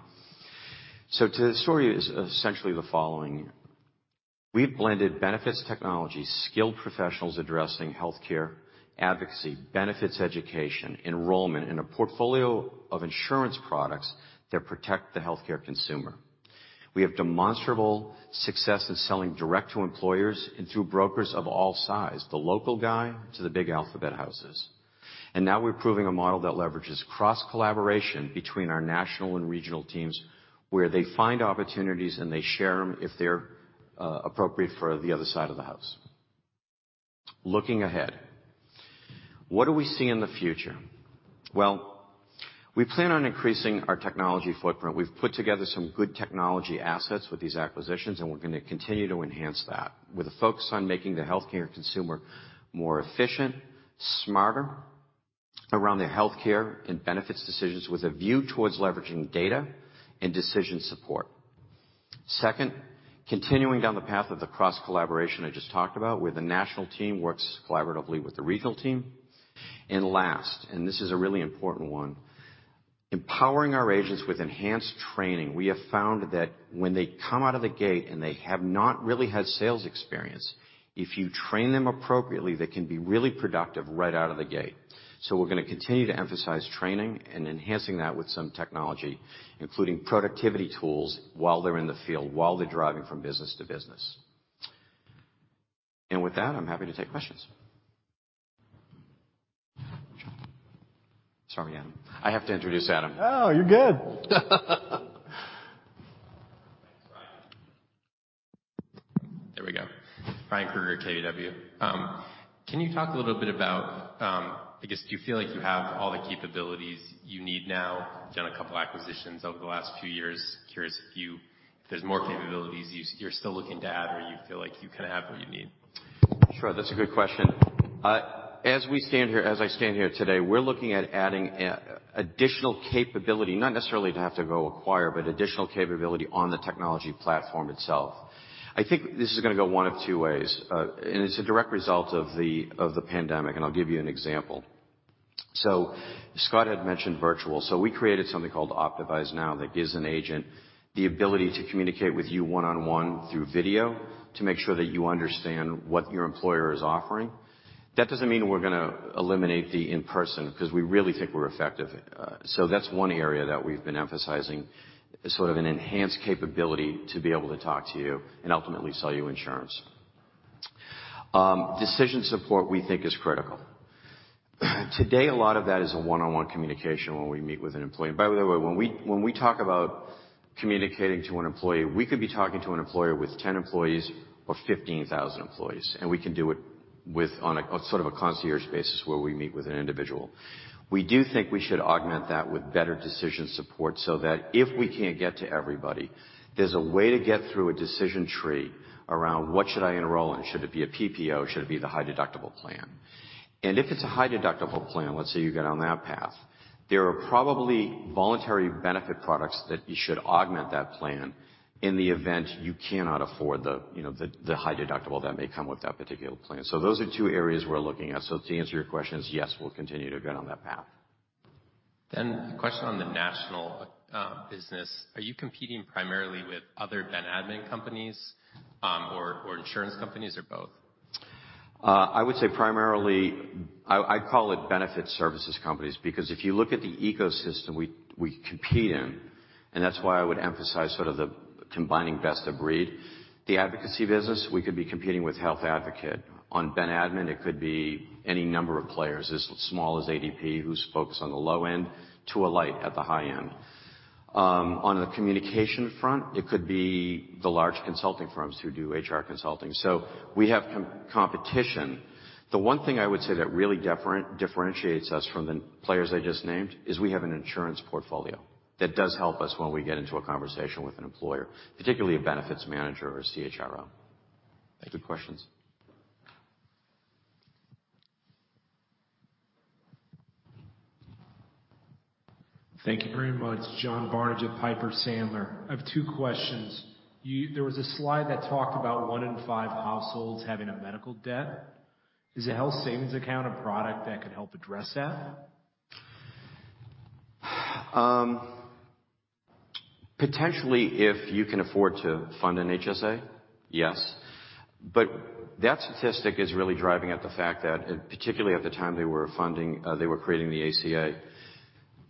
The story is essentially the following: we've blended benefits technology, skilled professionals addressing healthcare advocacy, benefits education, enrollment in a portfolio of insurance products that protect the healthcare consumer. We have demonstrable success in selling direct to employers and through brokers of all size, the local guy to the big alphabet houses. Now we're proving a model that leverages cross-collaboration between our national and regional teams, where they find opportunities, and they share them if they're appropriate for the other side of the house. Looking ahead. What do we see in the future? We plan on increasing our technology footprint. We've put together some good technology assets with these acquisitions, we're gonna continue to enhance that with a focus on making the healthcare consumer more efficient, smarter around their healthcare and benefits decisions with a view towards leveraging data and decision support. Second, continuing down the path of the cross-collaboration I just talked about, where the national team works collaboratively with the regional team. Last, and this is a really important one, empowering our agents with enhanced training. We have found that when they come out of the gate and they have not really had sales experience, if you train them appropriately, they can be really productive right out of the gate. We're gonna continue to emphasize training and enhancing that with some technology, including productivity tools while they're in the field, while they're driving from business to business. With that, I'm happy to take questions. Sorry, Adam. I have to introduce Adam. No, you're good. Ryan Krueger, KBW. Can you talk a little bit about, I guess, do you feel like you have all the capabilities you need now? You've done a couple of acquisitions over the last few years. Curious if there's more capabilities you're still looking to add, or you feel like you kinda have what you need? Sure. That's a good question. As I stand here today, we're looking at adding additional capability, not necessarily to have to go acquire, but additional capability on the technology platform itself. I think this is gonna go one of two ways, and it's a direct result of the pandemic, and I'll give you an example. Scott had mentioned virtual. We created something called Optavise Now that gives an agent the ability to communicate with you one-on-one through video to make sure that you understand what your employer is offering. That doesn't mean we're gonna eliminate the in-person, 'cause we really think we're effective. That's one area that we've been emphasizing, sort of an enhanced capability to be able to talk to you and ultimately sell you insurance. Decision support, we think, is critical. Today, a lot of that is a one-on-one communication when we meet with an employee. By the way, when we talk about communicating to an employee, we could be talking to an employer with 10 employees or 15,000 employees. We can do it with on a sort of a concierge basis where we meet with an individual. We do think we should augment that with better decision support so that if we can't get to everybody, there's a way to get through a decision tree around what should I enroll in? Should it be a PPO? Should it be the high-deductible plan? If it's a high-deductible plan, let's say you get on that path, there are probably voluntary benefit products that you should augment that plan in the event you cannot afford the, you know, the high deductible that may come with that particular plan. Those are two areas we're looking at. To answer your question, is yes, we'll continue to get on that path. A question on the national business. Are you competing primarily with other ben admin companies or insurance companies or both? I would say primarily I call it benefit services companies, because if you look at the ecosystem we compete in, and that's why I would emphasize sort of the combining best-of-breed. The advocacy business, we could be competing with Health Advocate. On Ben Admin, it could be any number of players, as small as ADP, who's focused on the low end to Alight at the high-end. On the communication front, it could be the large consulting firms who do HR consulting. We have competition. The one thing I would say that really differentiates us from the players I just named is we have an insurance portfolio that does help us when we get into a conversation with an employer, particularly a benefits manager or CHRO. Good questions. Thank you very much. John Barnidge at Piper Sandler. I have two questions. There was a slide that talked about one in five households having a medical debt. Is a health savings account a product that could help address that? Potentially, if you can afford to fund an HSA, yes. That statistic is really driving at the fact that, particularly at the time they were funding, they were creating the ACA,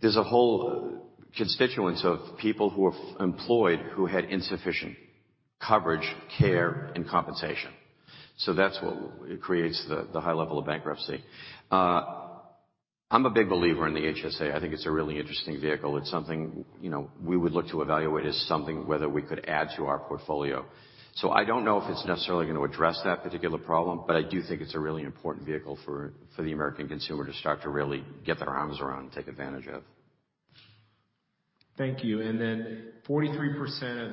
there's a whole constituents of people who are employed who had insufficient coverage, care, and compensation. That's what creates the high level of bankruptcy. I'm a big believer in the HSA. I think it's a really interesting vehicle. It's something, you know, we would look to evaluate as something whether we could add to our portfolio. I don't know if it's necessarily gonna address that particular problem, but I do think it's a really important vehicle for the American consumer to start to really get their arms around and take advantage of. Thank you. 43% of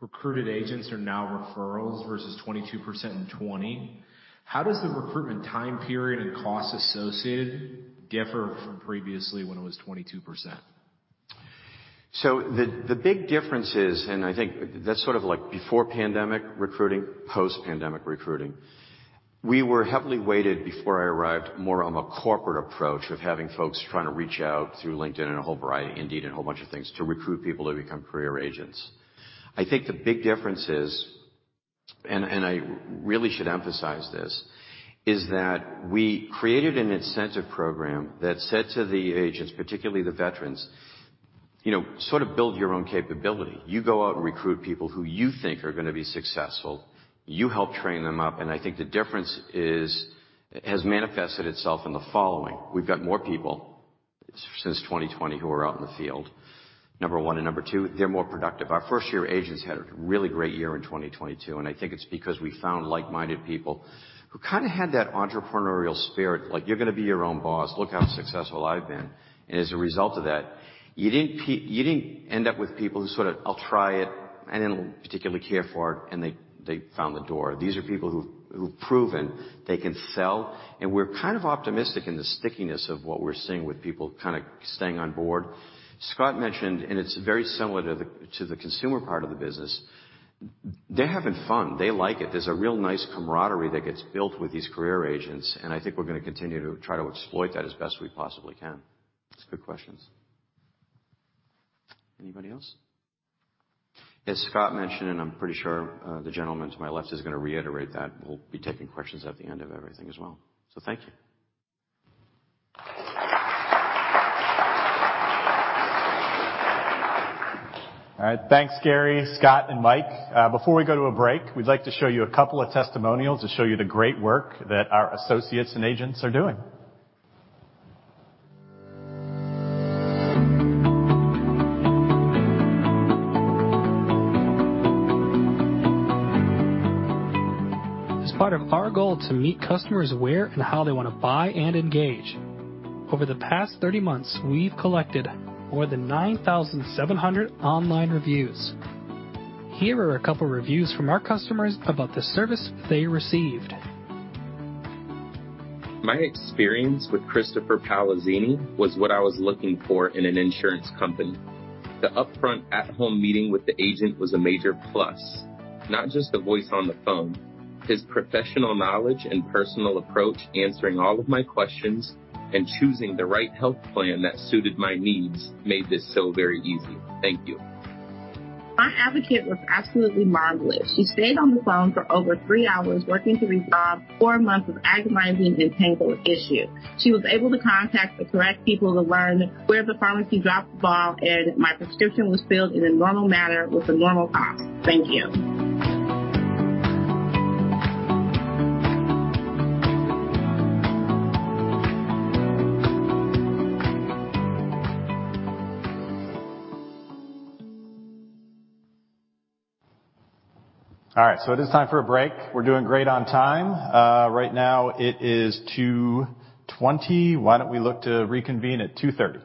recruited agents are now referrals versus 22% in 2020. How does the recruitment time period and cost associated differ from previously when it was 22%? The big difference is, and I think that's sort of like before pandemic recruiting, post-pandemic recruiting. We were heavily weighted before I arrived, more on the corporate approach of having folks trying to reach out through LinkedIn and a whole variety, Indeed, and a whole bunch of things, to recruit people to become career agents. I think the big difference is, and I really should emphasize this, is that we created an incentive program that said to the agents, particularly the veterans, you know, sort of build your own capability. You go out and recruit people who you think are gonna be successful. You help train them up, and I think the difference is has manifested itself in the following. We've got more people since 2020 who are out in the field, number one and number two, they're more productive. Our first-year agents had a really great year in 2022, and I think it's because we found like-minded people who kinda had that entrepreneurial spirit, like, "You're gonna be your own boss. Look how successful I've been." As a result of that, you didn't end up with people who sort of, "I'll try it," and didn't particularly care for it, and they found the door. These are people who've proven they can sell, and we're kind of optimistic in the stickiness of what we're seeing with people kinda staying on board. Scott mentioned, and it's very similar to the consumer part of the business, they're having fun. They like it. There's a real nice camaraderie that gets built with these career agents, I think we're gonna continue to try to exploit that as best we possibly can. That's good questions. Anybody else? As Scott mentioned, and I'm pretty sure, the gentleman to my left is gonna reiterate that, we'll be taking questions at the end of everything as well. Thank you. All right. Thanks, Gary, Scott, and Mike. Before we go to a break, we'd like of to show you a couple of testimonials to show you the great work that our associates and agents are doing. As part of our goal to meet customers where and how they want to buy and engage, over the past 30 months, we've collected more than 9,700 online reviews. Here are a couple of reviews from our customers about the service they received. My experience with Christopher Palazzini was what I was looking for in an insurance company. The upfront at-home meeting with the agent was a major plus, not just a voice on the phone. His professional knowledge and personal approach, answering all of my questions and choosing the right health plan that suited my needs made this so very easy. Thank you. My advocate was absolutely marvelous. She stayed on the phone for over three hours working to resolve four months of agonizing entangled issue. She was able to contact the correct people to learn where the pharmacy dropped the ball, and my prescription was filled in a normal manner with a normal cost. Thank you. All right, it is time for a break. We're doing great on time. Right now it is 2:20 P.M. Why don't we look to reconvene at 2:30 P.M.?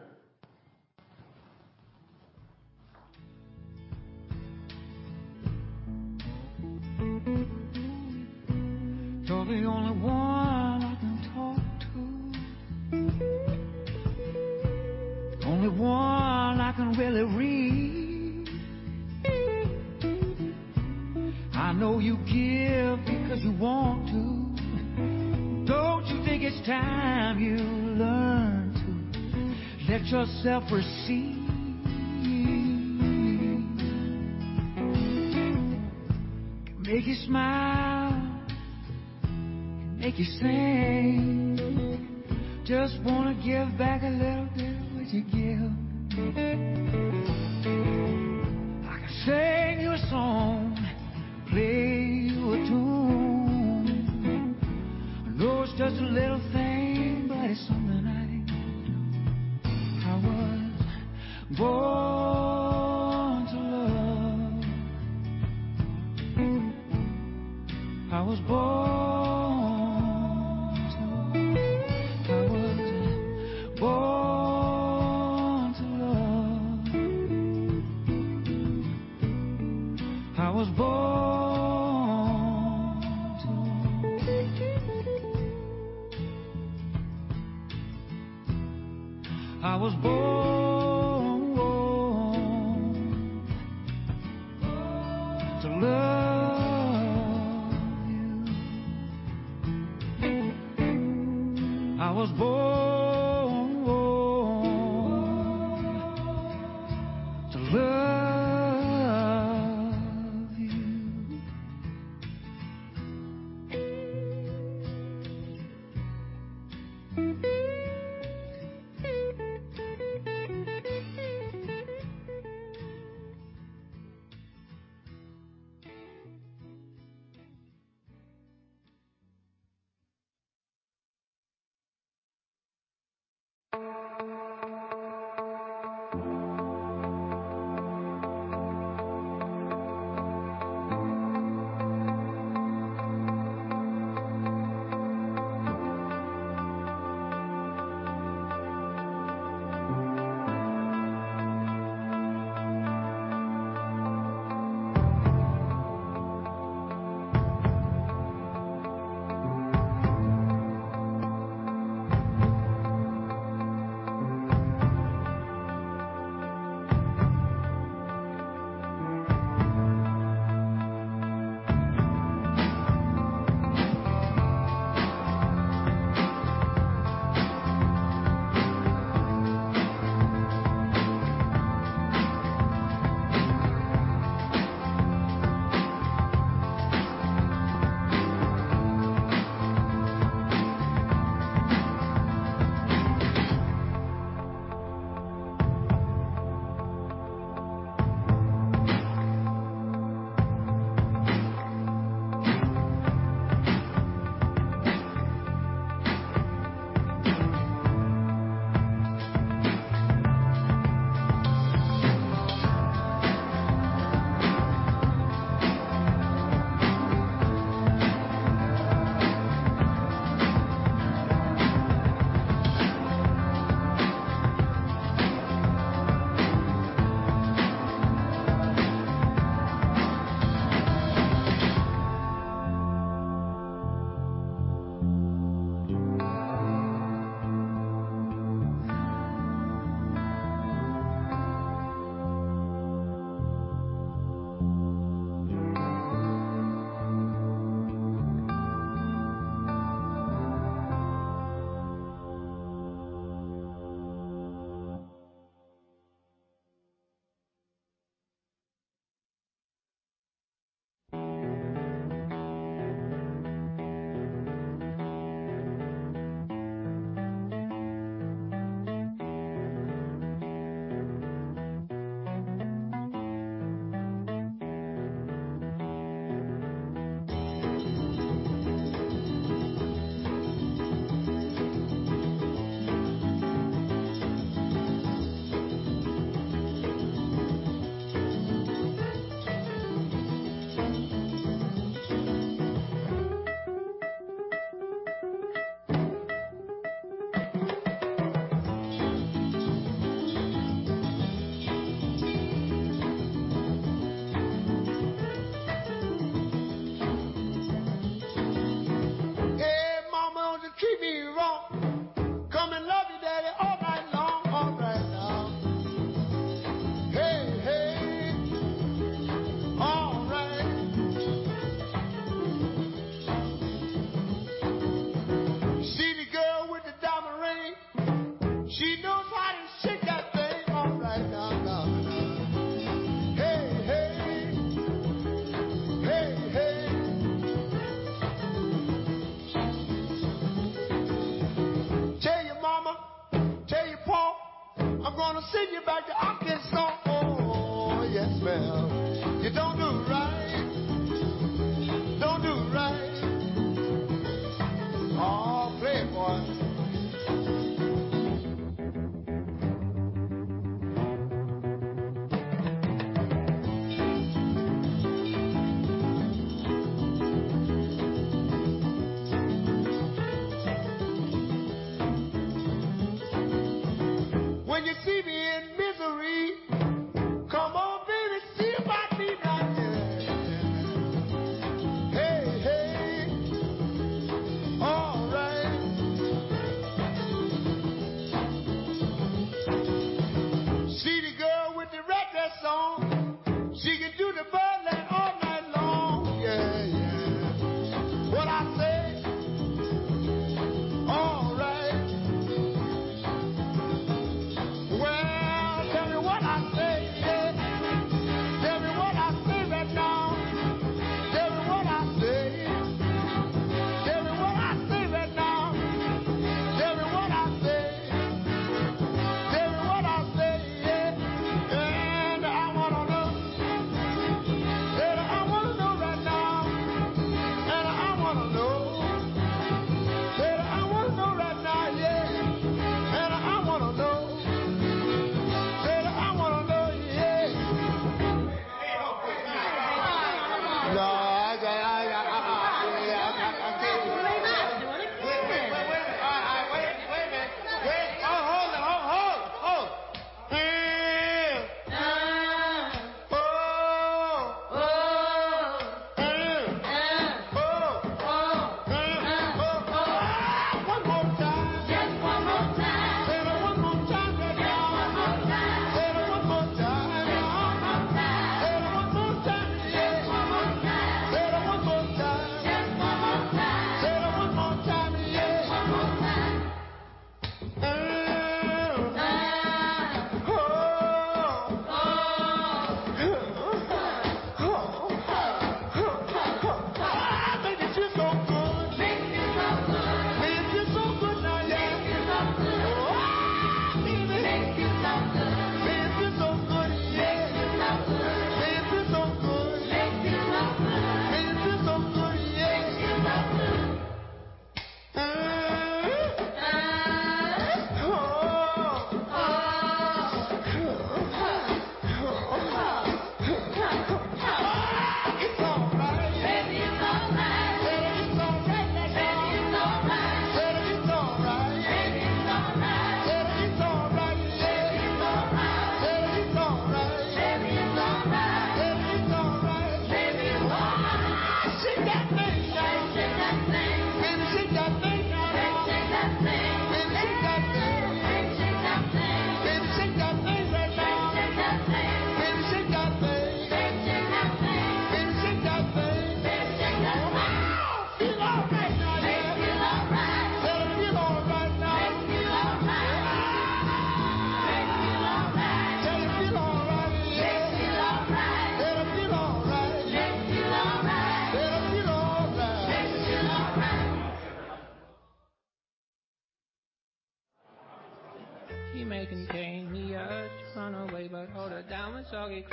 All right,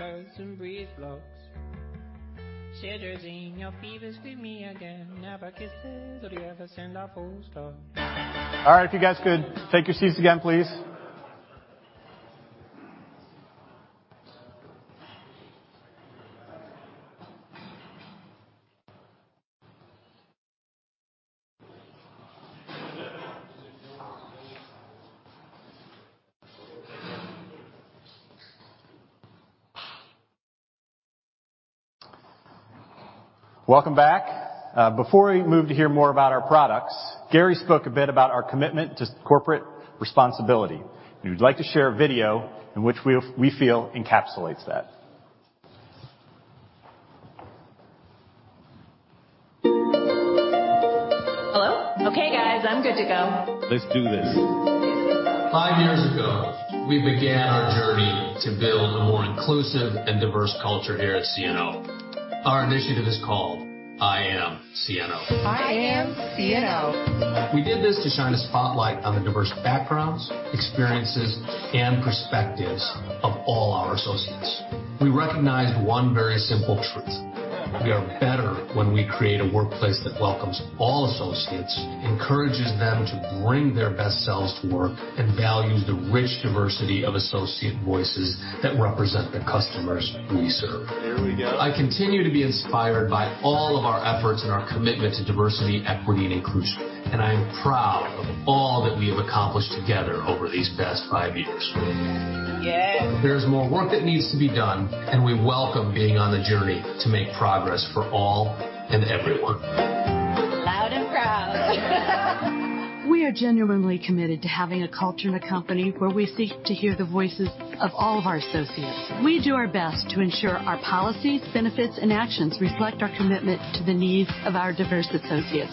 if you guys could take your seats again please. Welcome back. Before we move to hear more about our products, Gary spoke a bit about our commitment to corporate responsibility, and we would like to share a video in which we feel encapsulates that Hello? Okay, guys, I'm good to go. Let's do this. Five years ago, we began our journey to build a more inclusive and diverse culture here at CNO. Our initiative is called. I am CNO. I am CNO. We did this to shine a spotlight on the diverse backgrounds, experiences, and perspectives of all our associates. We recognized one very simple truth. We are better when we create a workplace that welcomes all associates, encourages them to bring their best selves to work, and values the rich diversity of associate voices that represent the customers we serve. Here we go. I continue to be inspired by all of our efforts and our commitment to diversity, equity, and inclusion, and I am proud of all that we have accomplished together over these past five years. Yes. There's more work that needs to be done, and we welcome being on the journey to make progress for all and everyone. Loud and proud. We are genuinely committed to having a culture in the company where we seek to hear the voices of all of our associates. We do our best to ensure our policies, benefits, and actions reflect our commitment to the needs of our diverse associates.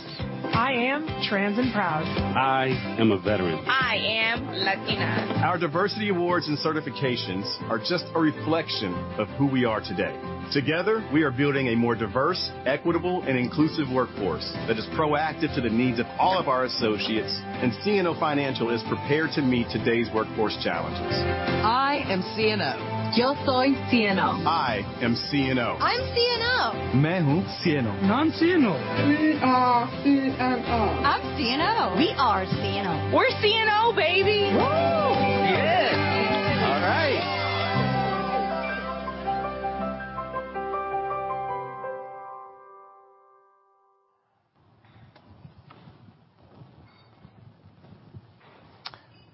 I am trans and proud. I am a veteran. I am Latina. Our diversity awards and certifications are just a reflection of who we are today. Together, we are building a more diverse, equitable, and inclusive workforce that is proactive to the needs of all of our associates, and CNO Financial is prepared to meet today's workforce challenges. I am CNO. Yo soy CNO. I am CNO. I'm CNO. Main hoon CNO. I'm CNO. We are CNO. I'm CNO. We are CNO. We're CNO, baby. Whoo! Yes. All right.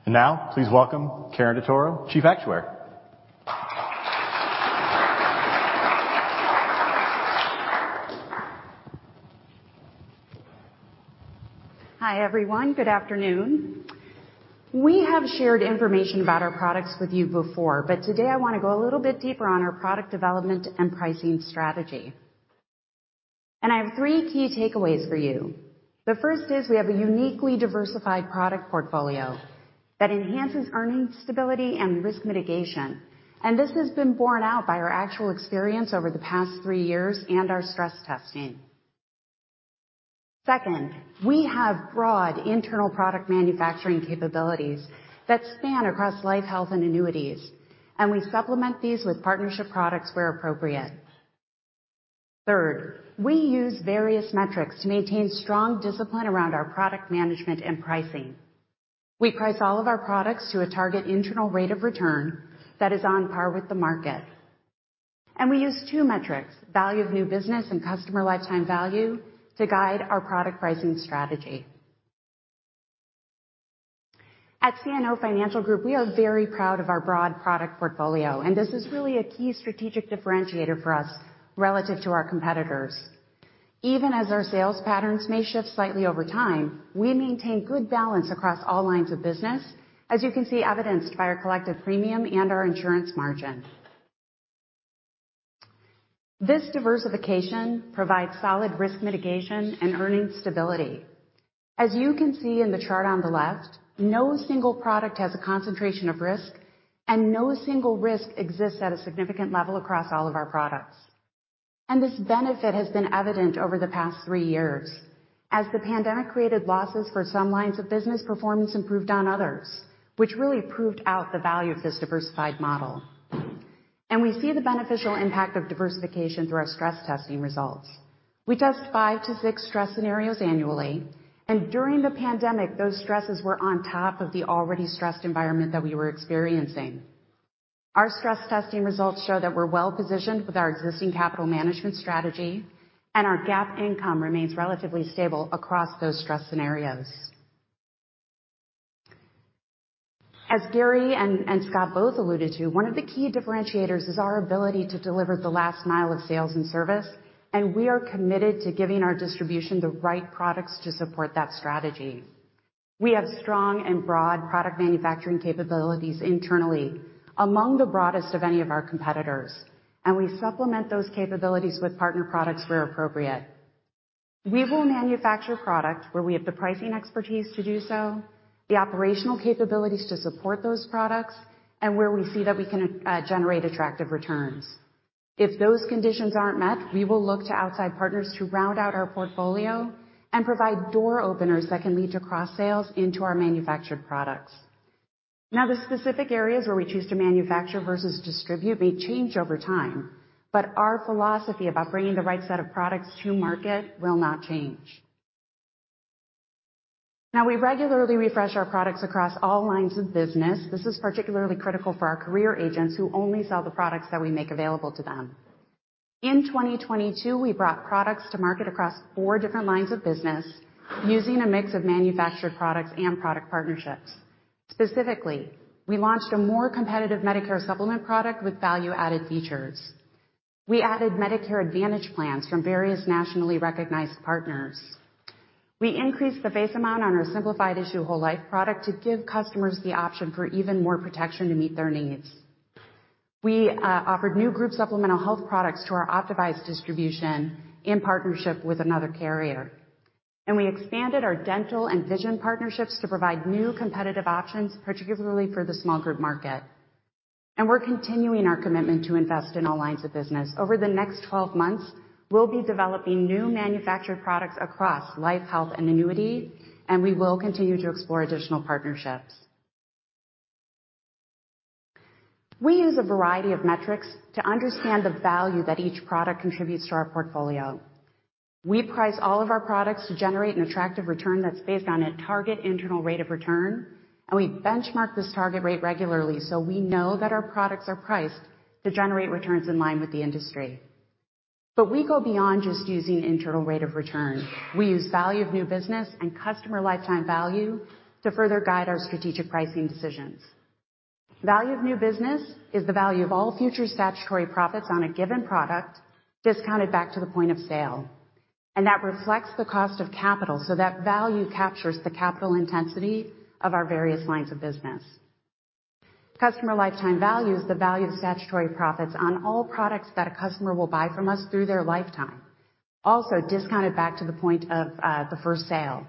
Now please welcome Karen DeToro, Chief Actuary. Hi, everyone. Good afternoon. We have shared information about our products with you before, but today I want to go a little bit deeper on our product development and pricing strategy. I have 3 key takeaways for you. The first is we have a uniquely diversified product portfolio that enhances earning stability and risk mitigation. This has been borne out by our actual experience over the past 3 years and our stress testing. Second, we have broad internal product manufacturing capabilities that span across life, health, and annuities, and we supplement these with partnership products where appropriate. Third, we use various metrics to maintain strong discipline around our product management and pricing. We price all of our products to a target internal rate of return that is on par with the market. We use two metrics, value of new business and customer lifetime value, to guide our product pricing strategy. At CNO Financial Group, we are very proud of our broad product portfolio, and this is really a key strategic differentiator for us relative to our competitors. Even as our sales patterns may shift slightly over time, we maintain good balance across all lines of business, as you can see evidenced by our collective premium and our insurance margin. This diversification provides solid risk mitigation and earning stability. As you can see in the chart on the left, no single product has a concentration of risk, and no single risk exists at a significant level across all of our products. This benefit has been evident over the past three years. As the pandemic created losses for some lines of business, performance improved on others, which really proved out the value of this diversified model. We see the beneficial impact of diversification through our stress testing results. We test five to six stress scenarios annually, and during the pandemic, those stresses were on top of the already stressed environment that we were experiencing. Our stress testing results show that we're well-positioned with our existing capital management strategy, and our GAAP income remains relatively stable across those stress scenarios. As Gary and Scott both alluded to, one of the key differentiators is our ability to deliver the last mile of sales and service, and we are committed to giving our distribution the right products to support that strategy. We have strong and broad product manufacturing capabilities internally, among the broadest of any of our competitors, and CNO supplement those capabilities with partner products where appropriate. We will manufacture product where we have the pricing expertise to do so, the operational capabilities to support those products, and where we see that we can generate attractive returns. If those conditions aren't met, we will look to outside partners to round out our portfolio and provide door openers that can lead to cross-sales into our manufactured products. Now, the specific areas where we choose to manufacture versus distribute may change over time, but our philosophy about bringing the right set of products to market will not change. Now, we regularly refresh our products across all lines of business. This is particularly critical for our career agents who only sell the products that we make available to them. In 2022, we brought products to market across four different lines of business using a mix of manufactured products and product partnerships. Specifically, we launched a more competitive Medicare Supplement product with value-added features. We added Medicare Advantage plans from various nationally recognized partners. We increased the base amount on our simplified issue whole life product to give customers the option for even more protection to meet their needs. We offered new group supplemental health products to our Optavise distribution in partnership with another carrier. We expanded our dental and vision partnerships to provide new competitive options, particularly for the small group market. We're continuing our commitment to invest in all lines of business. Over the next 12 months, we'll be developing new manufactured products across life, health, and annuity, and we will continue to explore additional partnerships. We use a variety of metrics to understand the value that each product contributes to our portfolio. We price all of our products to generate an attractive return that's based on a target internal rate of return, and we benchmark this target rate regularly so we know that our products are priced to generate returns in line with the industry. We go beyond just using internal rate of return. We use value of new business and customer lifetime value to further guide our strategic pricing decisions. Value of new business is the value of all future statutory profits on a given product discounted back to the point of sale, and that reflects the cost of capital so that value captures the capital intensity of our various lines of business. Customer lifetime value is the value of statutory profits on all products that a customer will buy from us through their lifetime, also discounted back to the point of, the first sale.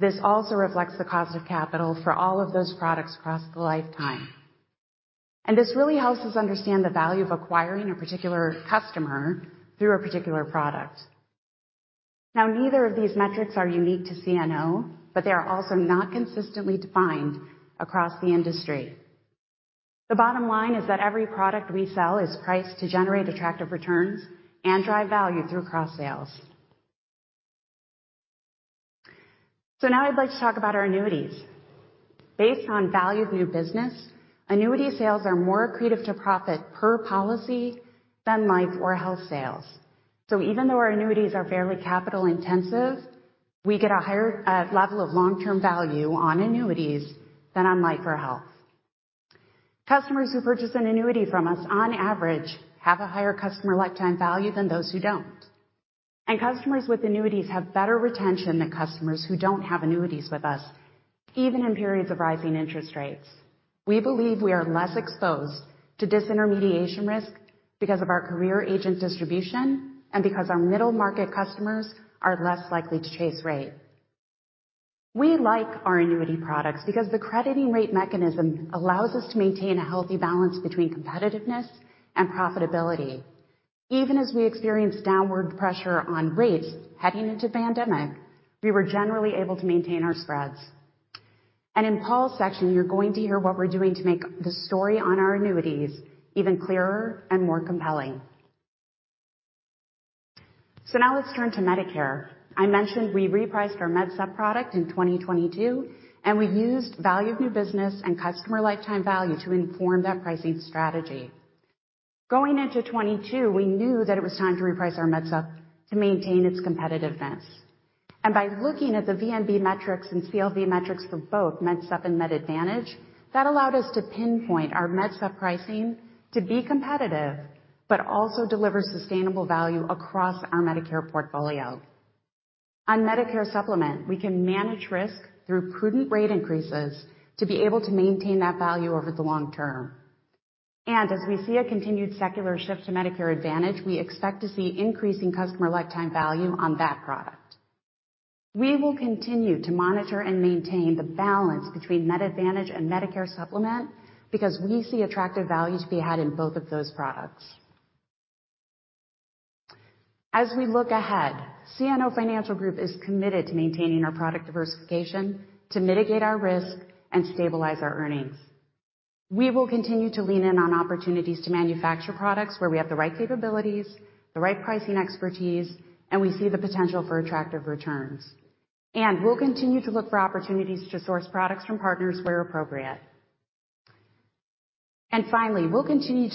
This also reflects the cost of capital for all of those products across the lifetime. This really helps us understand the value of acquiring a particular customer through a particular product. Neither of these metrics are unique to CNO, but they are also not consistently defined across the industry. The bottom line is that every product we sell is priced to generate attractive returns and drive value through cross-sales. Now I'd like to talk about our annuities. Based on value of new business, annuity sales are more accretive to profit per policy than life or health sales. Even though our annuities are fairly capital intensive, we get a higher level of long-term value on annuities than on life or health. Customers who purchase an annuity from us, on average, have a higher customer lifetime value than those who don't. Customers with annuities have better retention than customers who don't have annuities with us, even in periods of rising interest rates. We believe we are less exposed to disintermediation risk because of our career agent distribution and because our middle-market customers are less likely to chase rate. We like our annuity products because the crediting rate mechanism allows us to maintain a healthy balance between competitiveness and profitability. Even as we experienced downward pressure on rates heading into pandemic, we were generally able to maintain our spreads. In Paul's section, you're going to hear what we're doing to make the story on our annuities even clearer and more compelling. Now let's turn to Medicare. I mentioned we repriced our Med Supp product in 2022, and we used value of new business and customer lifetime value to inform that pricing strategy. Going into 2022, we knew that it was time to reprice our Med Supp to maintain its competitiveness. By looking at the VNB metrics and CLV metrics for both Med Supp and Med Advantage, that allowed us to pinpoint our Med Supp pricing to be competitive but also deliver sustainable value across our Medicare portfolio. On Medicare Supplement, we can manage risk through prudent rate increases to be able to maintain that value over the long term. As we see a continued secular shift to Medicare Advantage, we expect to see increasing customer lifetime value on that product. We will continue to monitor and maintain the balance between Med Advantage and Medicare Supplement because we see attractive value to be had in both of those products. As we look ahead, CNO Financial Group is committed to maintaining our product diversification to mitigate our risk and stabilize our earnings. We will continue to lean in on opportunities to manufacture products where we have the right capabilities, the right pricing expertise, and we see the potential for attractive returns. We'll continue to look for opportunities to source products from partners where appropriate. Finally, we'll continue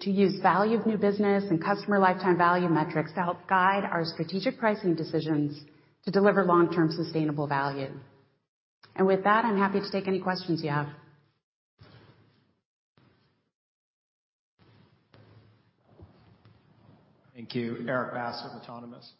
to use value of new business and customer lifetime value metrics to help guide our strategic pricing decisions to deliver long-term sustainable value. With that, I'm happy to take any questions you have. Thank you. Erik Bass with Autonomous.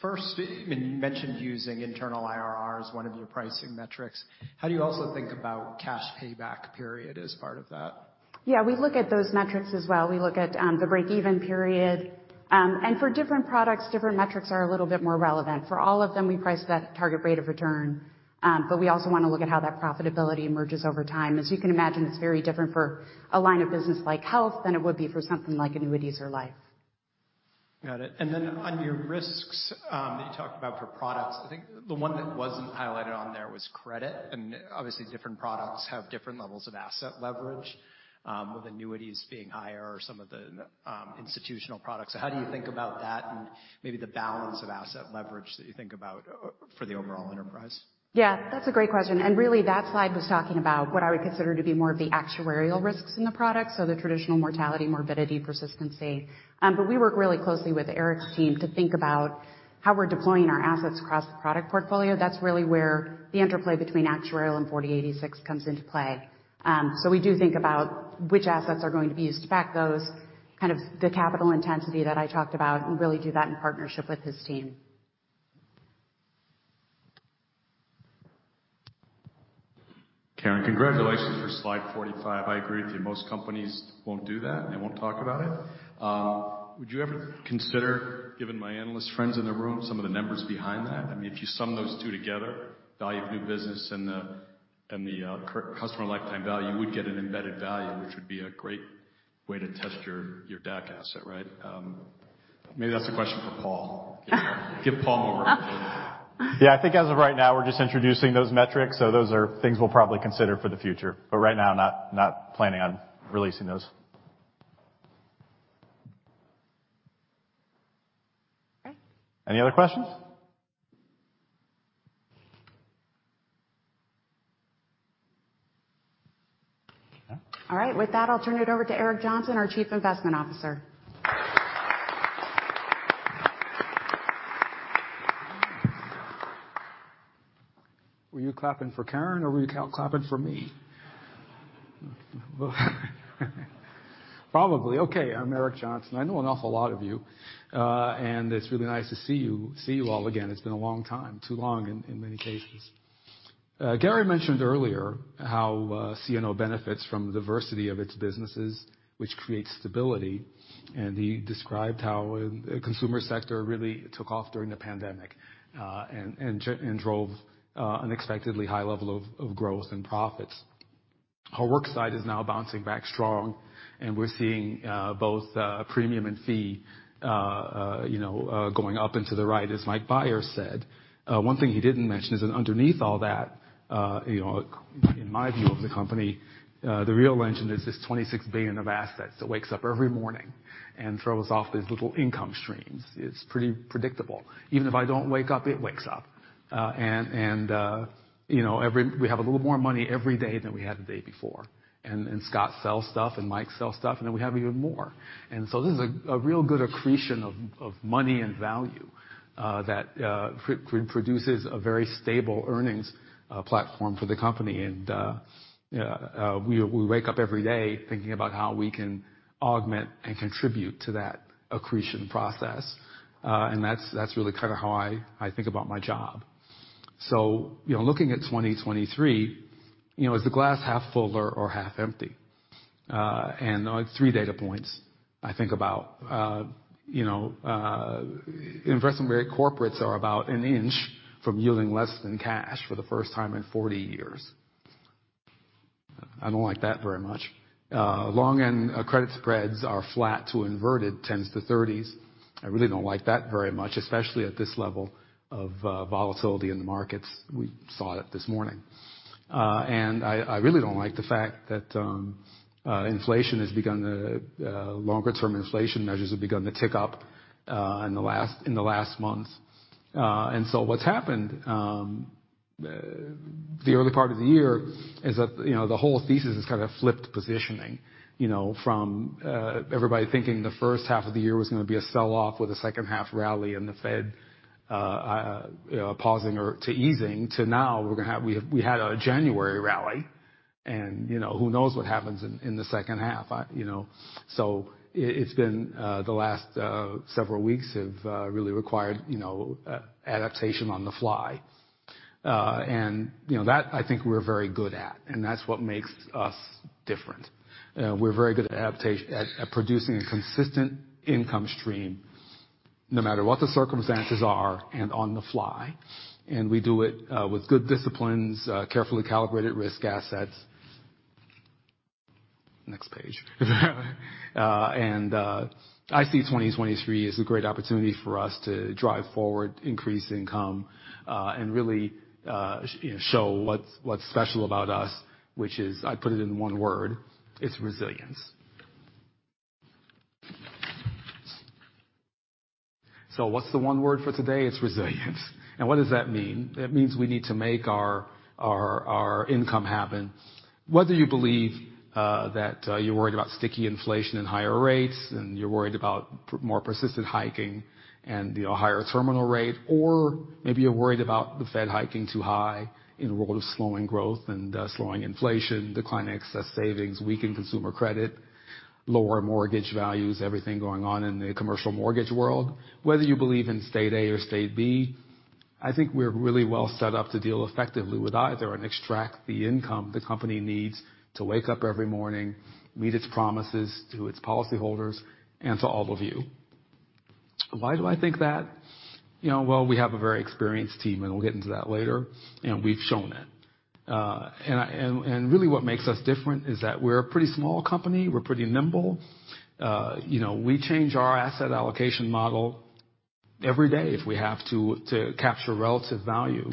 First, you mentioned using internal IRR as one of your pricing metrics. How do you also think about cash payback period as part of that? Yeah. We look at those metrics as well. We look at the break-even period. For different products, different metrics are a little bit more relevant. For all of them, we price to that target rate of return, but we also want to look at how that profitability emerges over time. As you can imagine, it's very different for a line of business like health than it would be for something like annuities or life. Got it. On your risks, that you talked about for products, I think the one that wasn't highlighted on there was credit, and obviously different products have different levels of asset leverage, with annuities being higher or some of the institutional products. How do you think about that and maybe the balance of asset leverage that you think about for the overall enterprise? Yeah. That's a great question. Really, that slide was talking about what I would consider to be more of the actuarial risks in the product, so the traditional mortality, morbidity, persistency. We work really closely with Eric's team to think about how we're deploying our assets across the product portfolio. That's really where the interplay between actuarial and 40|86 comes into play. We do think about which assets are going to be used to back those, kind of the capital intensity that I talked about, and really do that in partnership with his team. Karen, congratulations for slide 45. I agree with you. Most companies won't do that, and they won't talk about it. Would you ever consider giving my analyst friends in the room some of the numbers behind that? I mean, if you sum those two together, value of new business and the customer lifetime value, you would get an embedded value, which would be a great way to test your DAC asset, right? Maybe that's a question for Paul. Give Paul more work to do. I think as of right now, we're just introducing those metrics. Those are things we'll probably consider for the future. Right now, not planning on releasing those. Okay. Any other questions? No. All right. With that, I'll turn it over to Eric Johnson, our Chief Investment Officer. Were you clapping for Karen or were you clapping for me? Probably. Okay. I'm Eric Johnson. I know an awful lot of you, and it's really nice to see you all again. It's been a long time, too long in many cases. Gary mentioned earlier how CNO benefits from the diversity of its businesses, which creates stability, and he described how the consumer sector really took off during the pandemic and drove unexpectedly high level of growth and profits. Our worksite is now bouncing back strong, we're seeing both premium and fee, you know, going up into the right, as Mike Byers said. One thing he didn't mention is that underneath all that, you know, in my view of the company, the real engine is this $26 billion of assets that wakes up every morning and throws off these little income streams. It's pretty predictable. Even if I don't wake up, it wakes up. You know, we have a little more money every day than we had the day before. Scott sells stuff, and Mike sells stuff, then we have even more. This is a really good accretion of money and value, that produces a very stable earnings platform for the company. We wake up every day thinking about how we can augment and contribute to that accretion process. That's really kind of how I think about my job. You know, looking at 2023, you know, is the glass half full or half empty? 3 data points I think about. You know, investment-grade corporates are about an inch from yielding less than cash for the first time in 40 years. I don't like that very much. Long-end credit spreads are flat to inverted 10s to 30s. I really don't like that very much, especially at this level of volatility in the markets. We saw it this morning. I really don't like the fact that inflation has begun to, longer-term inflation measures have begun to tick up in the last months. What's happened, the early part of the year is that, you know, the whole thesis is kinda flipped positioning, you know, from everybody thinking the first half of the year was gonna be a sell-off with a second half rally and the Fed pausing or to easing. We had a January rally and, you know, who knows what happens in the second half? You know. It's been the last several weeks have really required, you know, adaptation on the fly. You know, that I think we're very good at, and that's what makes us different. We're very good at producing a consistent income stream no matter what the circumstances are and on the fly. We do it with good disciplines, carefully calibrated risk assets. Next page. I see 2023 as a great opportunity for us to drive forward, increase income, and really, you know, show what's special about us, which is, I put it in one word, it's resilience. What's the one word for today? It's resilience. What does that mean? It means we need to make our income happen. Whether you believe that you're worried about sticky inflation and higher rates, and you're worried about more persistent hiking and, you know, higher terminal rate, or maybe you're worried about the Fed hiking too high in a world of slowing growth and slowing inflation, declining excess savings, weakened consumer credit, lower mortgage values, everything going on in the commercial mortgage world. Whether you believe in state A or state B, I think we're really well set up to deal effectively with either and extract the income the company needs to wake up every morning, meet its promises to its policyholders, and to all of you. Why do I think that? You know, well, we have a very experienced team, and we'll get into that later, and we've shown it. Really what makes us different is that we're a pretty small company. We're pretty nimble. You know, we change our asset allocation model every day if we have to capture relative value.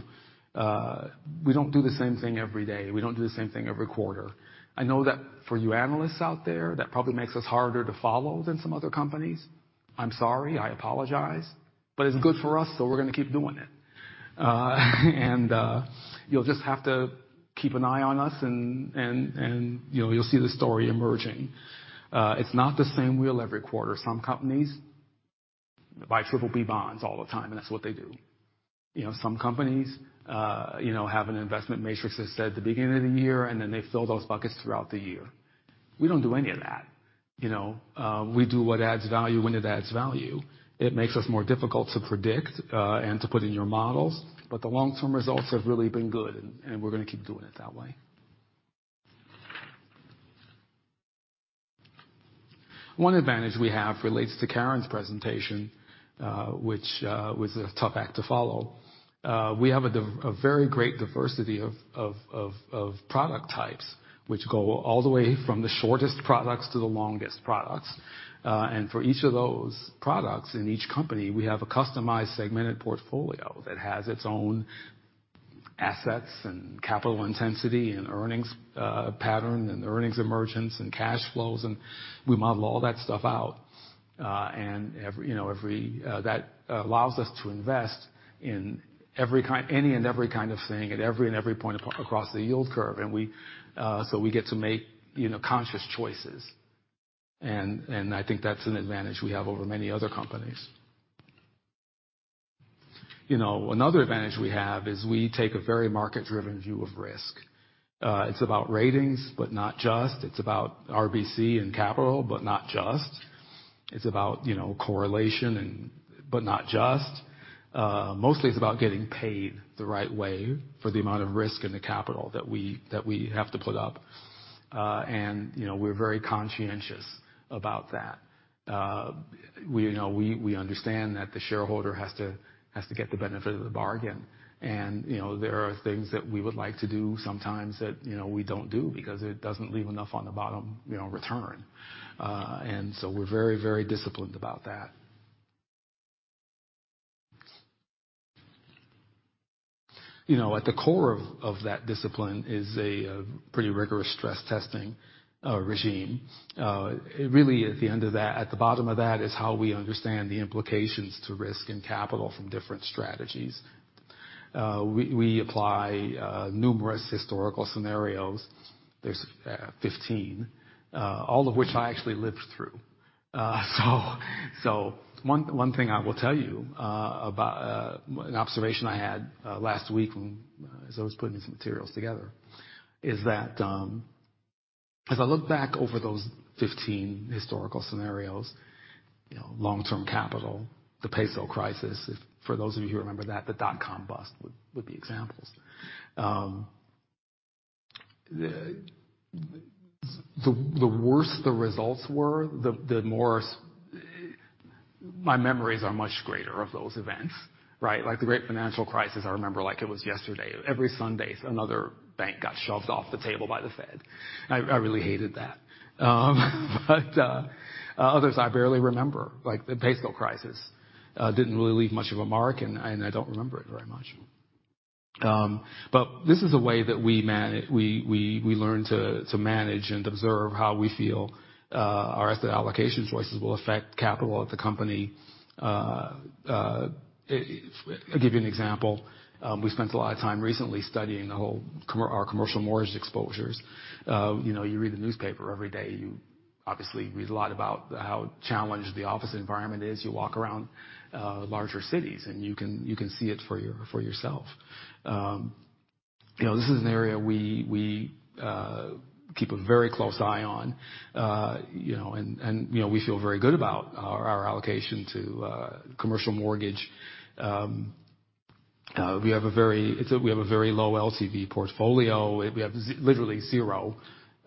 We don't do the same thing every day. We don't do the same thing every quarter. I know that for you analysts out there, that probably makes us harder to follow than some other companies. I'm sorry. I apologize, but it's good for us, so we're gonna keep doing it. You'll just have to keep an eye on us and, you know, you'll see the story emerging. It's not the same wheel every quarter. Some companies buy triple B bonds all the time, and that's what they do. You know, some companies, you know, have an investment matrix that's set at the beginning of the year, and then they fill those buckets throughout the year. We don't do any of that. You know, we do what adds value when it adds value. It makes us more difficult to predict, and to put in your models, but the long-term results have really been good, and we're gonna keep doing it that way. One advantage we have relates to Karen's presentation. Which was a tough act to follow. We have a very great diversity of product types, which go all the way from the shortest products to the longest products. For each of those products in each company, we have a customized segmented portfolio that has its own assets and capital intensity and earnings, pattern and earnings emergence and cash flows, and we model all that stuff out. Every, you know, that allows us to invest in every kind, any and every kind of thing at every point across the yield curve. We, so we get to make, you know, conscious choices. I think that's an advantage we have over many other companies. You know, another advantage we have is we take a very market-driven view of risk. It's about ratings, but not just. It's about RBC and capital, but not just. It's about, you know, correlation and but not just. mostly it's about getting paid the right way for the amount of risk and the capital that we have to put up. you know, we're very conscientious about that. we, you know, we understand that the shareholder has to get the benefit of the bargain. you know, there are things that we would like to do sometimes that, you know, we don't do because it doesn't leave enough on the bottom, you know, return. we're very, very disciplined about that. You know, at the core of that discipline is a pretty rigorous stress testing regime. Really at the end of that, at the bottom of that is how we understand the implications to risk and capital from different strategies. We apply numerous historical scenarios. There's 15, all of which I actually lived through. One thing I will tell you about an observation I had last week when, as I was putting some materials together, is that, as I look back over those 15 historical scenarios, you know, long-term capital, the Peso crisis, for those of you who remember that, the dot-com bust would be examples. The worse the results were, the more My memories are much greater of those events, right? Like the great financial crisis, I remember like it was yesterday. Every Sunday, another bank got shoved off the table by the Fed. I really hated that. Others I barely remember. Like the Peso crisis didn't really leave much of a mark, and I don't remember it very much. This is a way that we learn to manage and observe how we feel, our asset allocation choices will affect capital of the company. I'll give you an example. We spent a lot of time recently studying the whole our commercial mortgage exposures. You know, you read the newspaper every day. You obviously read a lot about how challenged the office environment is. You walk around larger cities, and you can see it for yourself. You know, this is an area we keep a very close eye on. You know, we feel very good about our allocation to commercial mortgage. We have a very low LCV portfolio. We have literally zero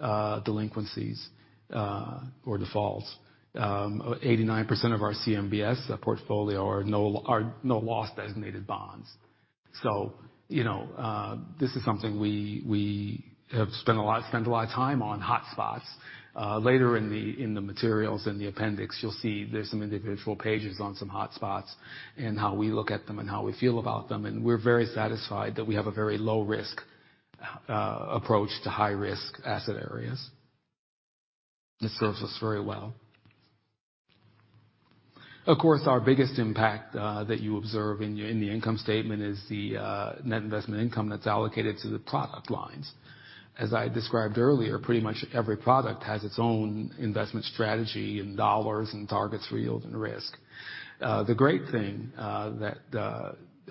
delinquencies or defaults. 89% of our CMBS portfolio are no loss designated bonds. You know, this is something we have spent a lot of time on hotspots. Later in the materials in the appendix, you'll see there's some individual pages on some hotspots and how we look at them and how we feel about them, and we're very satisfied that we have a very low risk approach to high risk asset areas. This serves us very well. Of course, our biggest impact that you observe in the income statement is the net investment income that's allocated to the product lines. As I described earlier, pretty much every product has its own investment strategy in dollars and targets for yield and risk. The great thing that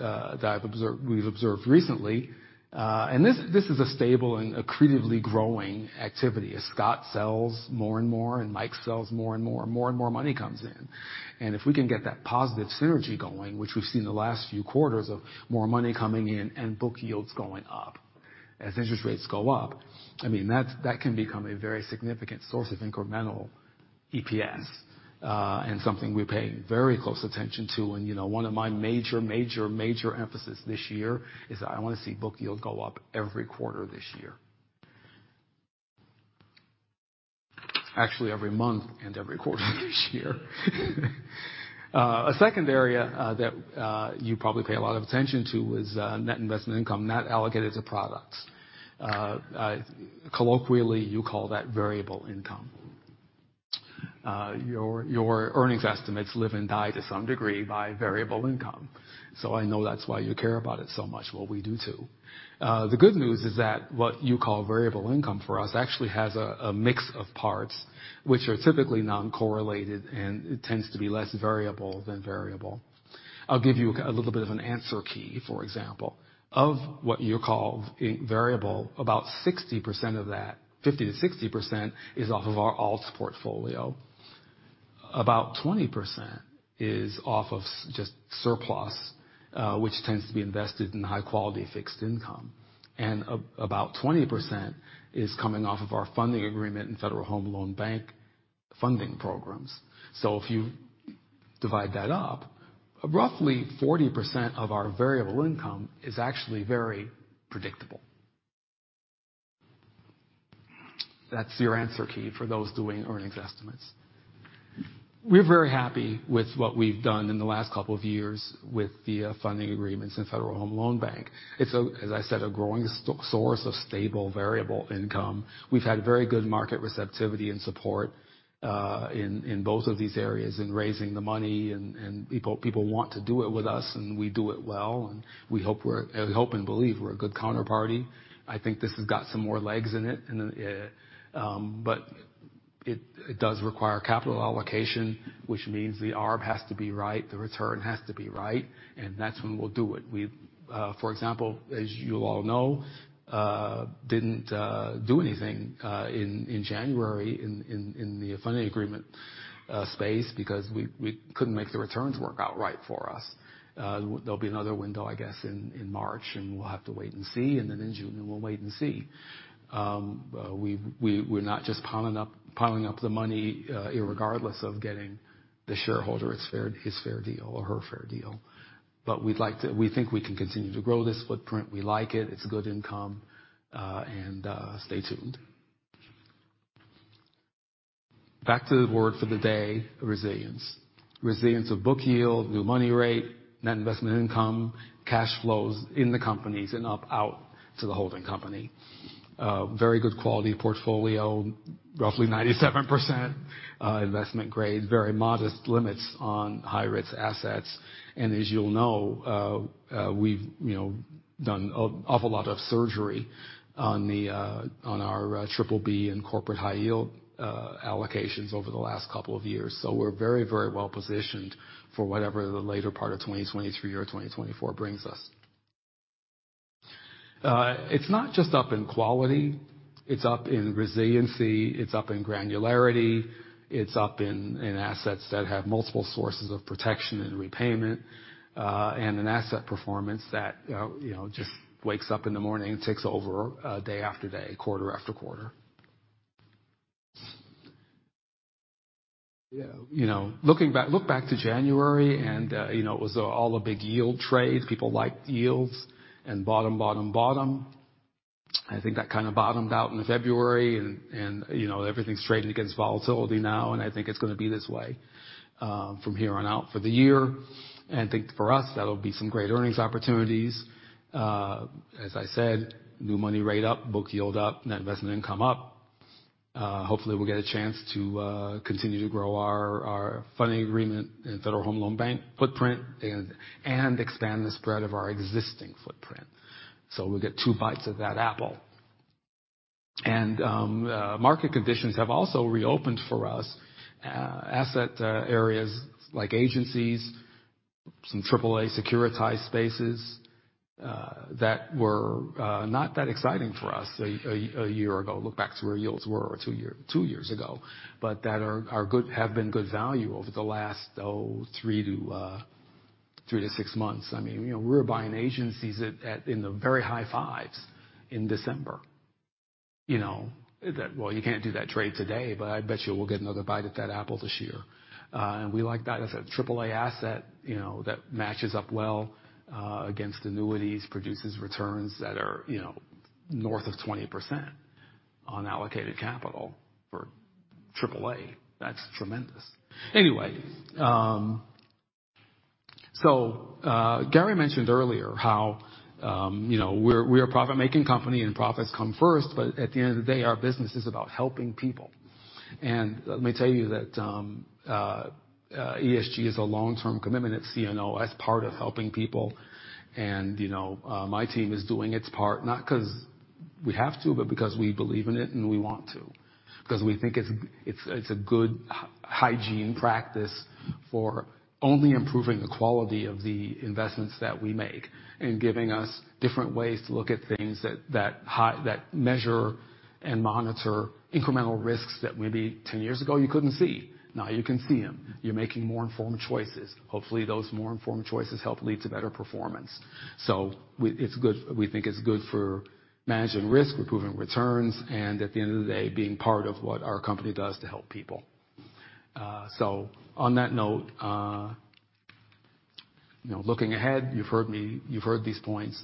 I've observed, we've observed recently and this is a stable and accretively growing activity. As Scott sells more and more and Mike sells more and more, more and more money comes in. If we can get that positive synergy going, which we've seen the last few quarters of more money coming in and book yields going up as interest rates go up, I mean, that can become a very significant source of incremental EPS, and something we're paying very close attention to. You know, one of my major emphasis this year is I wanna see book yield go up every quarter this year. Actually, every month and every quarter this year. A second area that you probably pay a lot of attention to is net investment income, net allocated to products. Colloquially, you call that variable income. Your earnings estimates live and die to some degree by variable income. I know that's why you care about it so much. Well, we do too. The good news is that what you call variable income for us actually has a mix of parts which are typically non-correlated, and it tends to be less variable than variable. I'll give you a little bit of an answer key. For example, of what you call in-variable, about 60% of that, 50%-60% is off of our alts portfolio. About 20% is off of just surplus, which tends to be invested in high quality fixed income. About 20% is coming off of our funding agreement and Federal Home Loan Bank funding programs. If you divide that up, roughly 40% of our variable income is actually very predictable. That's your answer key for those doing earnings estimates. We're very happy with what we've done in the last couple of years with the funding agreements and Federal Home Loan Bank. It's, as I said, a growing source of stable variable income. We've had very good market receptivity and support, in both of these areas in raising the money, and people want to do it with us, and we do it well. We hope we're. We hope and believe we're a good counterparty. I think this has got some more legs in it. But it does require capital allocation, which means the arb has to be right, the return has to be right, and that's when we'll do it. We, for example, as you all know, didn't do anything in January in the funding agreement space because we couldn't make the returns work out right for us. There'll be another window, I guess, in March, and we'll have to wait and see, and then in June, and we'll wait and see. We're not just piling up the money, irregardless of getting the shareholder his fair deal or her fair deal. We'd like to. We think we can continue to grow this footprint. We like it. It's good income, stay tuned. Back to the word for the day, resilience. Resilience of book yield, new money rate, net investment income, cash flows in the companies and up out to the holding company. Very good quality portfolio. Roughly 97% investment grade. Very modest limits on high-risk assets. As you'll know, we've, you know, done awful lot of surgery on our BBB and corporate high yield allocations over the last couple of years. We're very well-positioned for whatever the later part of 2023 or 2024 brings us. It's not just up in quality, it's up in resiliency, it's up in granularity, it's up in assets that have multiple sources of protection and repayment, and an asset performance that, you know, just wakes up in the morning and takes over day after day, quarter after quarter. You know, Look back to January and, you know, it was all a big yield trade. People liked yields and bottom. I think that kind of bottomed out in February and, you know, everything's trading against volatility now, and I think it's gonna be this way from here on out for the year. I think for us, that'll be some great earnings opportunities. As I said, new money rate up, book yield up, net investment income up. Hopefully we'll get a chance to continue to grow our funding agreement in Federal Home Loan Bank footprint and expand the spread of our existing footprint. We'll get two bites of that apple. Market conditions have also reopened for us, asset areas like agencies, some triple A securitized spaces that were not that exciting for us a year ago. Look back to where yields were two years ago, that have been good value over the last three to six months. I mean, you know, we're buying agencies in the very high-fives in December. You know? You can't do that trade today, I bet you we'll get another bite at that apple this year. We like that as a AAA asset, you know, that matches up well against annuities, produces returns that are, you know, north of 20% on allocated capital for AAA. That's tremendous. Gary mentioned earlier how, you know, we're a profit-making company and profits come first, but at the end of the day, our business is about helping people. Let me tell you that ESG is a long-term commitment at CNO as part of helping people. You know, my team is doing its part, not 'cause we have to, but because we believe in it and we want to. 'Cause we think it's a good hygiene practice for only improving the quality of the investments that we make and giving us different ways to look at things that measure and monitor incremental risks that maybe 10 years ago you couldn't see. Now you can see them. You're making more informed choices. Hopefully, those more informed choices help lead to better performance. We think it's good for managing risk, improving returns, and at the end of the day, being part of what our company does to help people. On that note, you know, looking ahead, you've heard me, you've heard these points,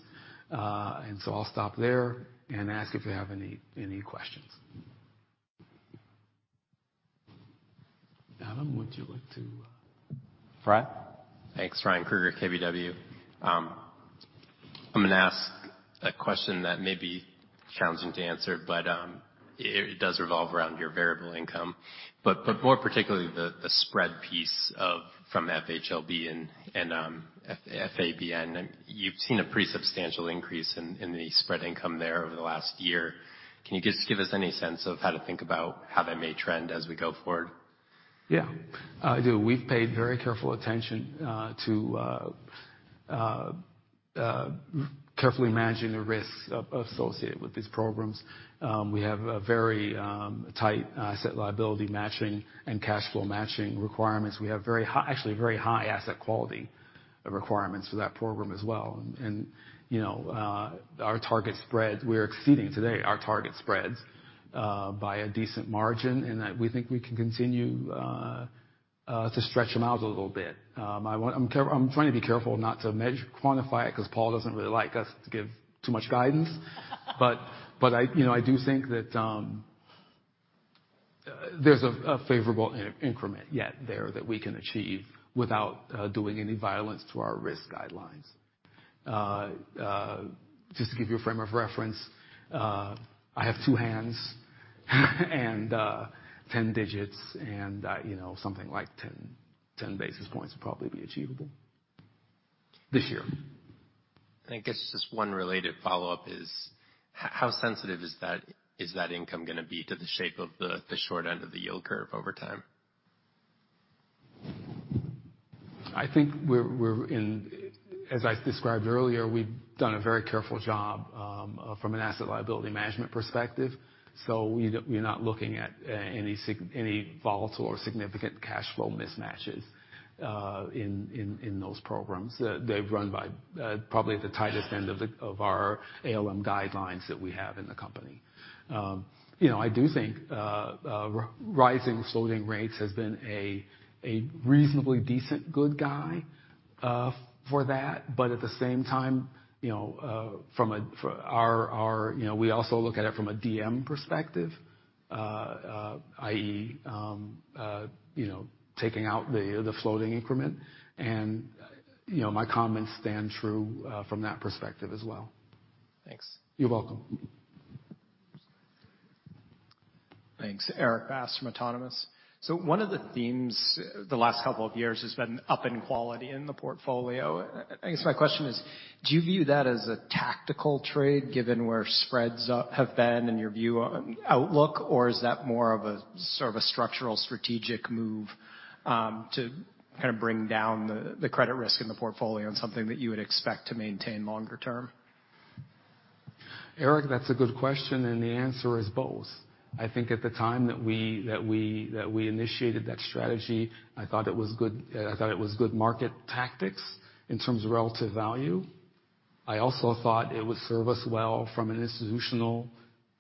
I'll stop there and ask if you have any questions. Adam, would you like to... Ryan. Thanks. Ryan Krueger, KBW. I'm gonna ask a question that may be challenging to answer, but it does revolve around your variable income, but more particularly, the spread piece of from FHLB and FABN. You've seen a pretty substantial increase in the spread income there over the last year. Can you just give us any sense of how to think about how they may trend as we go forward? Yeah, I do. We've paid very careful attention to carefully managing the risks associated with these programs. We have a very tight asset liability matching and cash flow matching requirements. We have very high, actually very high asset quality requirements for that program as well. You know, our target spreads, we're exceeding today our target spreads by a decent margin in that we think we can continue to stretch them out a little bit. I'm trying to be careful not to measure, quantify it, 'cause Paul doesn't really like us to give too much guidance. I, you know, I do think that there's a favorable in-increment yet there that we can achieve without doing any violence to our risk guidelines. Just to give you a frame of reference, I have two hands and 10 digits and, you know, something like 10 basis points will probably be achievable this year. I think it's just one related follow-up is how sensitive is that income gonna be to the shape of the short end of the yield curve over time? As I described earlier, we've done a very careful job from an asset liability management perspective. We're not looking at any volatile or significant cash flow mismatches in those programs. They've run by probably the tightest end of our ALM guidelines that we have in the company. You know, I do think rising floating rates has been a reasonably decent good guy for that. At the same time, you know, we also look at it from a DM perspective, i.e., you know, taking out the floating increment and, you know, my comments stand true from that perspective as well. Thanks. You're welcome. Thanks. Erik Bass from Autonomous. One of the themes the last couple of years has been up in quality in the portfolio. I guess my question is: Do you view that as a tactical trade, given where spreads have been and your view on outlook, or is that more of a sort of a structural strategic move to kind of bring down the credit risk in the portfolio and something that you would expect to maintain longer term? Eric, that's a good question, and the answer is both. I think at the time that we initiated that strategy, I thought it was good market tactics in terms of relative value. I also thought it would serve us well from an institutional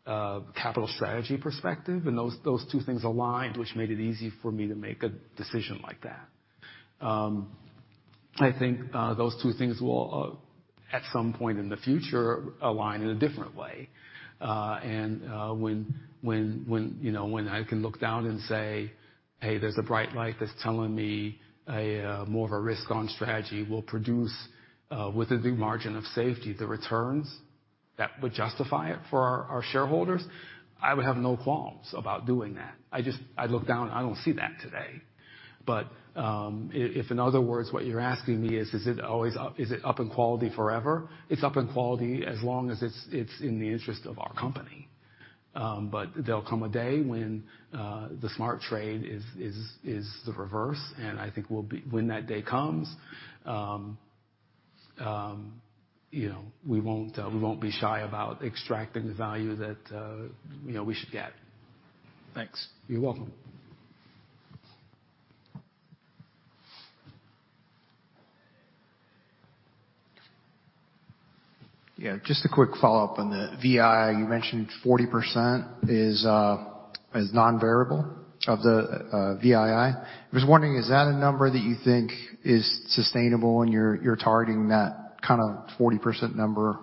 capital strategy perspective. Those two things aligned, which made it easy for me to make a decision like that. I think those two things will at some point in the future, align in a different way. When, you know, when I can look down and say, "Hey, there's a bright light that's telling me a, more of a risk on strategy will produce, with a due margin of safety, the returns that would justify it for our shareholders," I would have no qualms about doing that. I just, I look down, I don't see that today. If in other words, what you're asking me is it always up? Is it up in quality forever? It's up in quality as long as it's in the interest of our company. There'll come a day when, the smart trade is the reverse, and I think we'll be... When that day comes, you know, we won't be shy about extracting the value that, you know, we should get. Thanks. You're welcome. Yeah, just a quick follow-up on the VII. You mentioned 40% is non-variable of the VII. I was wondering, is that a number that you think is sustainable and you're targeting that kind of 40% number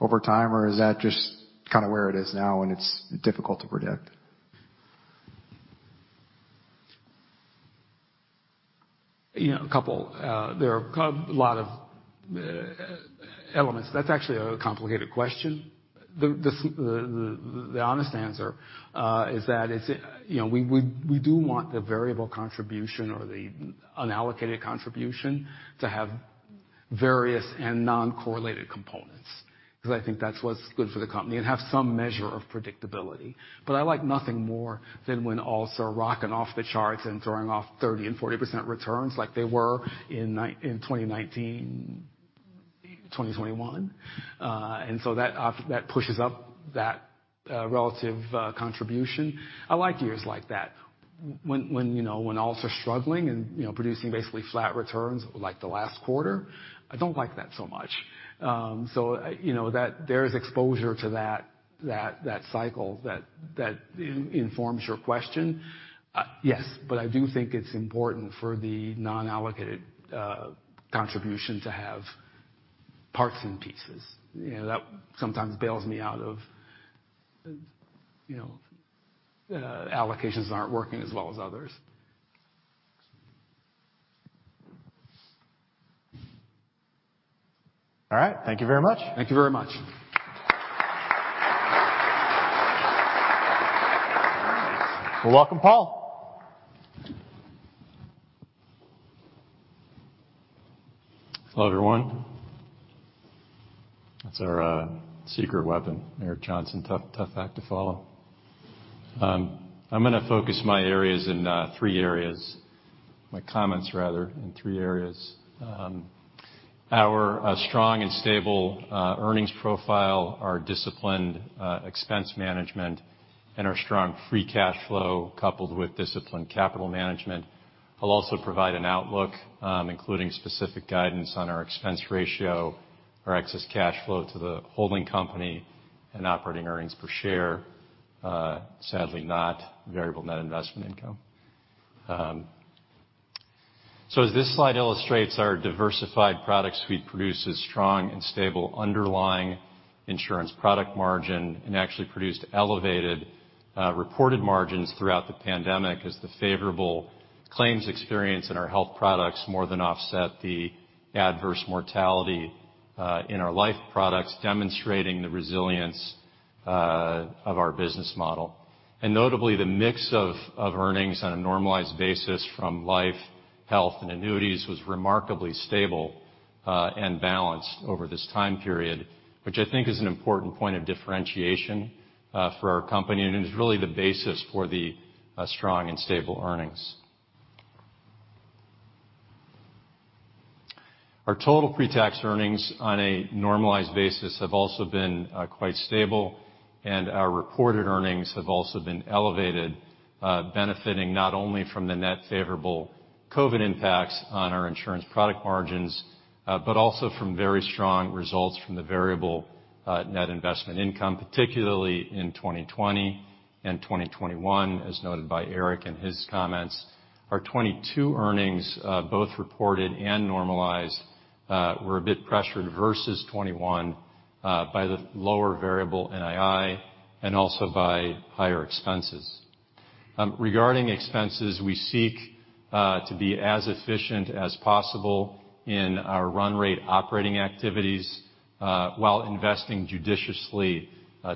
over time, or is that just kinda where it is now and it's difficult to predict? You know, a couple. There are a lot of elements. That's actually a complicated question. The honest answer is that it's, you know, we do want the variable contribution or the unallocated contribution to have various and non-correlated components, because I think that's what's good for the company, and have some measure of predictability. I like nothing more than when alts are rocking off the charts and throwing off 30% and 40% returns like they were in 2019, 2021. That pushes up that relative contribution. I like years like that. When, you know, when alts are struggling and, you know, producing basically flat returns like the last quarter, I don't like that so much. You know, that there is exposure to that cycle that informs your question. Yes, I do think it's important for the non-allocated contribution to have parts and pieces. You know, that sometimes bails me out of, you know, allocations that aren't working as well as others. All right. Thank you very much. Thank you very much. We welcome Paul. Hello, everyone. That's our secret weapon, Eric Johnson. Tough, tough act to follow. I'm gonna focus my areas in three areas, my comments rather, in three areas. Our strong and stable earnings profile, our disciplined expense management, and our strong free cash flow coupled with disciplined capital management. I'll also provide an outlook, including specific guidance on our expense ratio, our excess cash flow to the holding company, and operating earnings per share, sadly not variable net investment income. As this slide illustrates, our diversified product suite produces strong and stable underlying insurance product margin and actually produced elevated reported margins throughout the pandemic as the favorable claims experience in our health products more than offset the adverse mortality in our life products, demonstrating the resilience of our business model. Notably, the mix of earnings on a normalized basis from life, health, and annuities was remarkably stable and balanced over this time period, which I think is an important point of differentiation for our company and is really the basis for the strong and stable earnings. Our total pre-tax earnings on a normalized basis have also been quite stable, and our reported earnings have also been elevated, benefiting not only from the net favorable COVID impacts on our insurance product margins, but also from very strong results from the variable net investment income, particularly in 2020 and 2021, as noted by Eric in his comments. Our 2022 earnings, both reported and normalized, were a bit pressured versus 2021 by the lower variable NII and also by higher expenses. Regarding expenses, we seek to be as efficient as possible in our run rate operating activities, while investing judiciously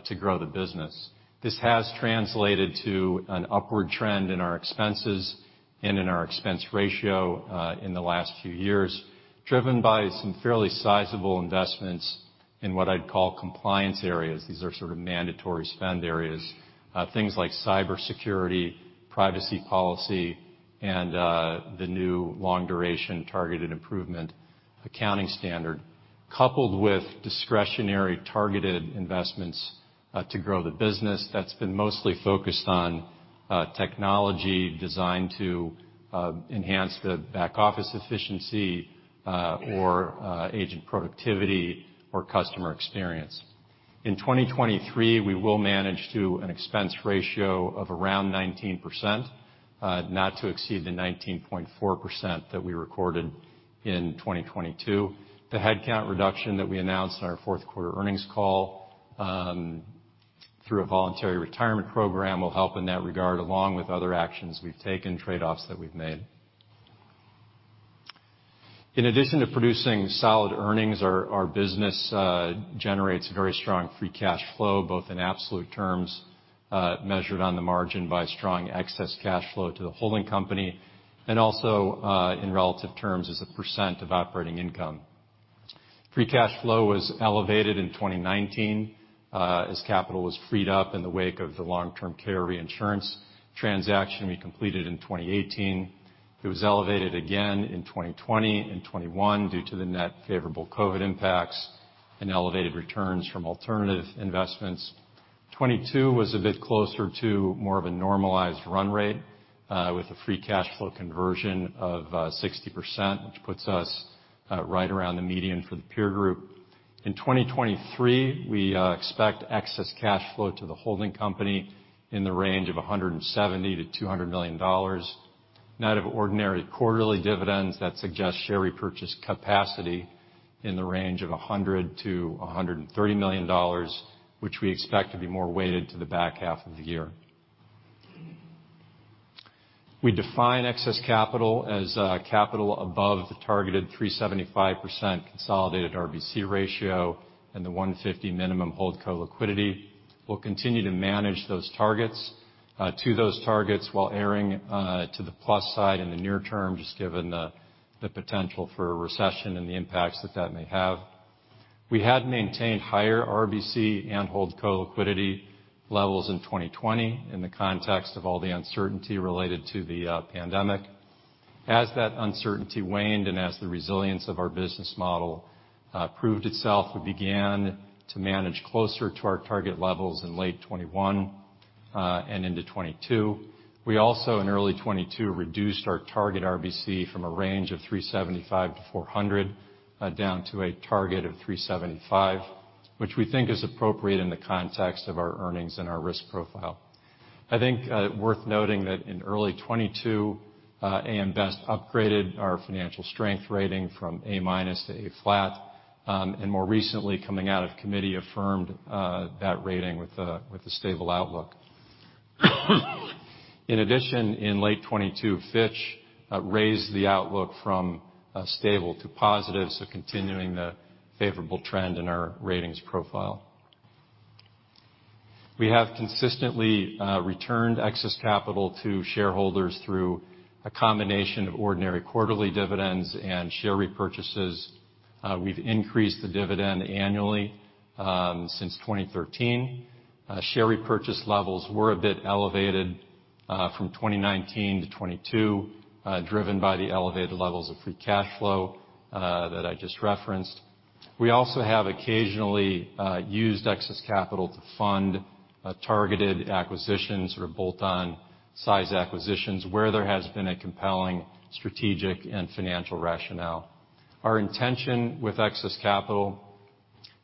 to grow the business. This has translated to an upward trend in our expenses and in our expense ratio in the last few years, driven by some fairly sizable investments in what I'd call compliance areas. These are sort of mandatory spend areas, things like cybersecurity, privacy policy, and the new Long-Duration Targeted Improvements accounting standard, coupled with discretionary targeted investments to grow the business that's been mostly focused on technology designed to enhance the back-office efficiency, or agent productivity or customer experience. In 2023, we will manage to an expense ratio of around 19%, not to exceed the 19.4% that we recorded in 2022. The headcount reduction that we announced on our fourth quarter earnings call, through a voluntary retirement program will help in that regard, along with other actions we've taken, trade-offs that we've made. In addition to producing solid earnings, our business generates very strong free cash flow, both in absolute terms, measured on the margin by strong excess cash flow to the holding company, and also, in relative terms as a of operating income. Free cash flow was elevated in 2019, as capital was freed up in the wake of the long-term care reinsurance transaction we completed in 2018. It was elevated again in 2020 and 2021 due to the net favorable COVID impacts and elevated returns from alternative investments. 2022 was a bit closer to more of a normalized run rate, with a free cash flow conversion of 60%, which puts us right around the median for the peer group. In 2023, we expect excess cash flow to the holding company in the range of $170 million-$200 million. Net of ordinary quarterly dividends, that suggests share repurchase capacity in the range of $100 million-$130 million, which we expect to be more weighted to the back half of the year. We define excess capital as capital above the targeted 375% consolidated RBC ratio and the 150 minimum hold co liquidity. We'll continue to manage those targets to those targets while erring to the plus side in the near term, just given the potential for a recession and the impacts that that may have. We had maintained higher RBC and hold co liquidity levels in 2020 in the context of all the uncertainty related to the pandemic. As that uncertainty waned and as the resilience of our business model proved itself, we began to manage closer to our target levels in late 2021 and into 2022. We also, in early 2022, reduced our target RBC from a range of 375 to 400 down to a target of 375, which we think is appropriate in the context of our earnings and our risk profile. I think worth noting that in early 2022, AM Best upgraded our financial strength rating from A- to A, and more recently, coming out of committee, affirmed that rating with a stable outlook. In late 2022, Fitch raised the outlook from stable to positive, continuing the favorable trend in our ratings profile. We have consistently returned excess capital to shareholders through a combination of ordinary quarterly dividends and share repurchases. We've increased the dividend annually since 2013. Share repurchase levels were a bit elevated from 2019 to 2022, driven by the elevated levels of free cash flow that I just referenced. We also have occasionally used excess capital to fund targeted acquisitions or bolt-on size acquisitions where there has been a compelling strategic and financial rationale. Our intention with excess capital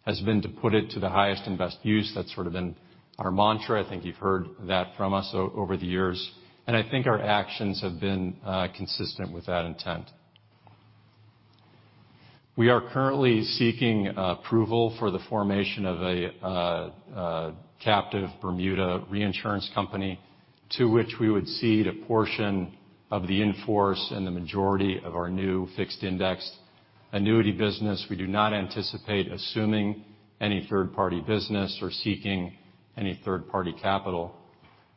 has been to put it to the highest and best use. That's sort of been our mantra. I think you've heard that from us over the years. I think our actions have been consistent with that intent. We are currently seeking approval for the formation of a captive Bermuda reinsurance company to which we would cede a portion of the in-force and the majority of our new fixed indexed annuity business. We do not anticipate assuming any third-party business or seeking any third-party capital.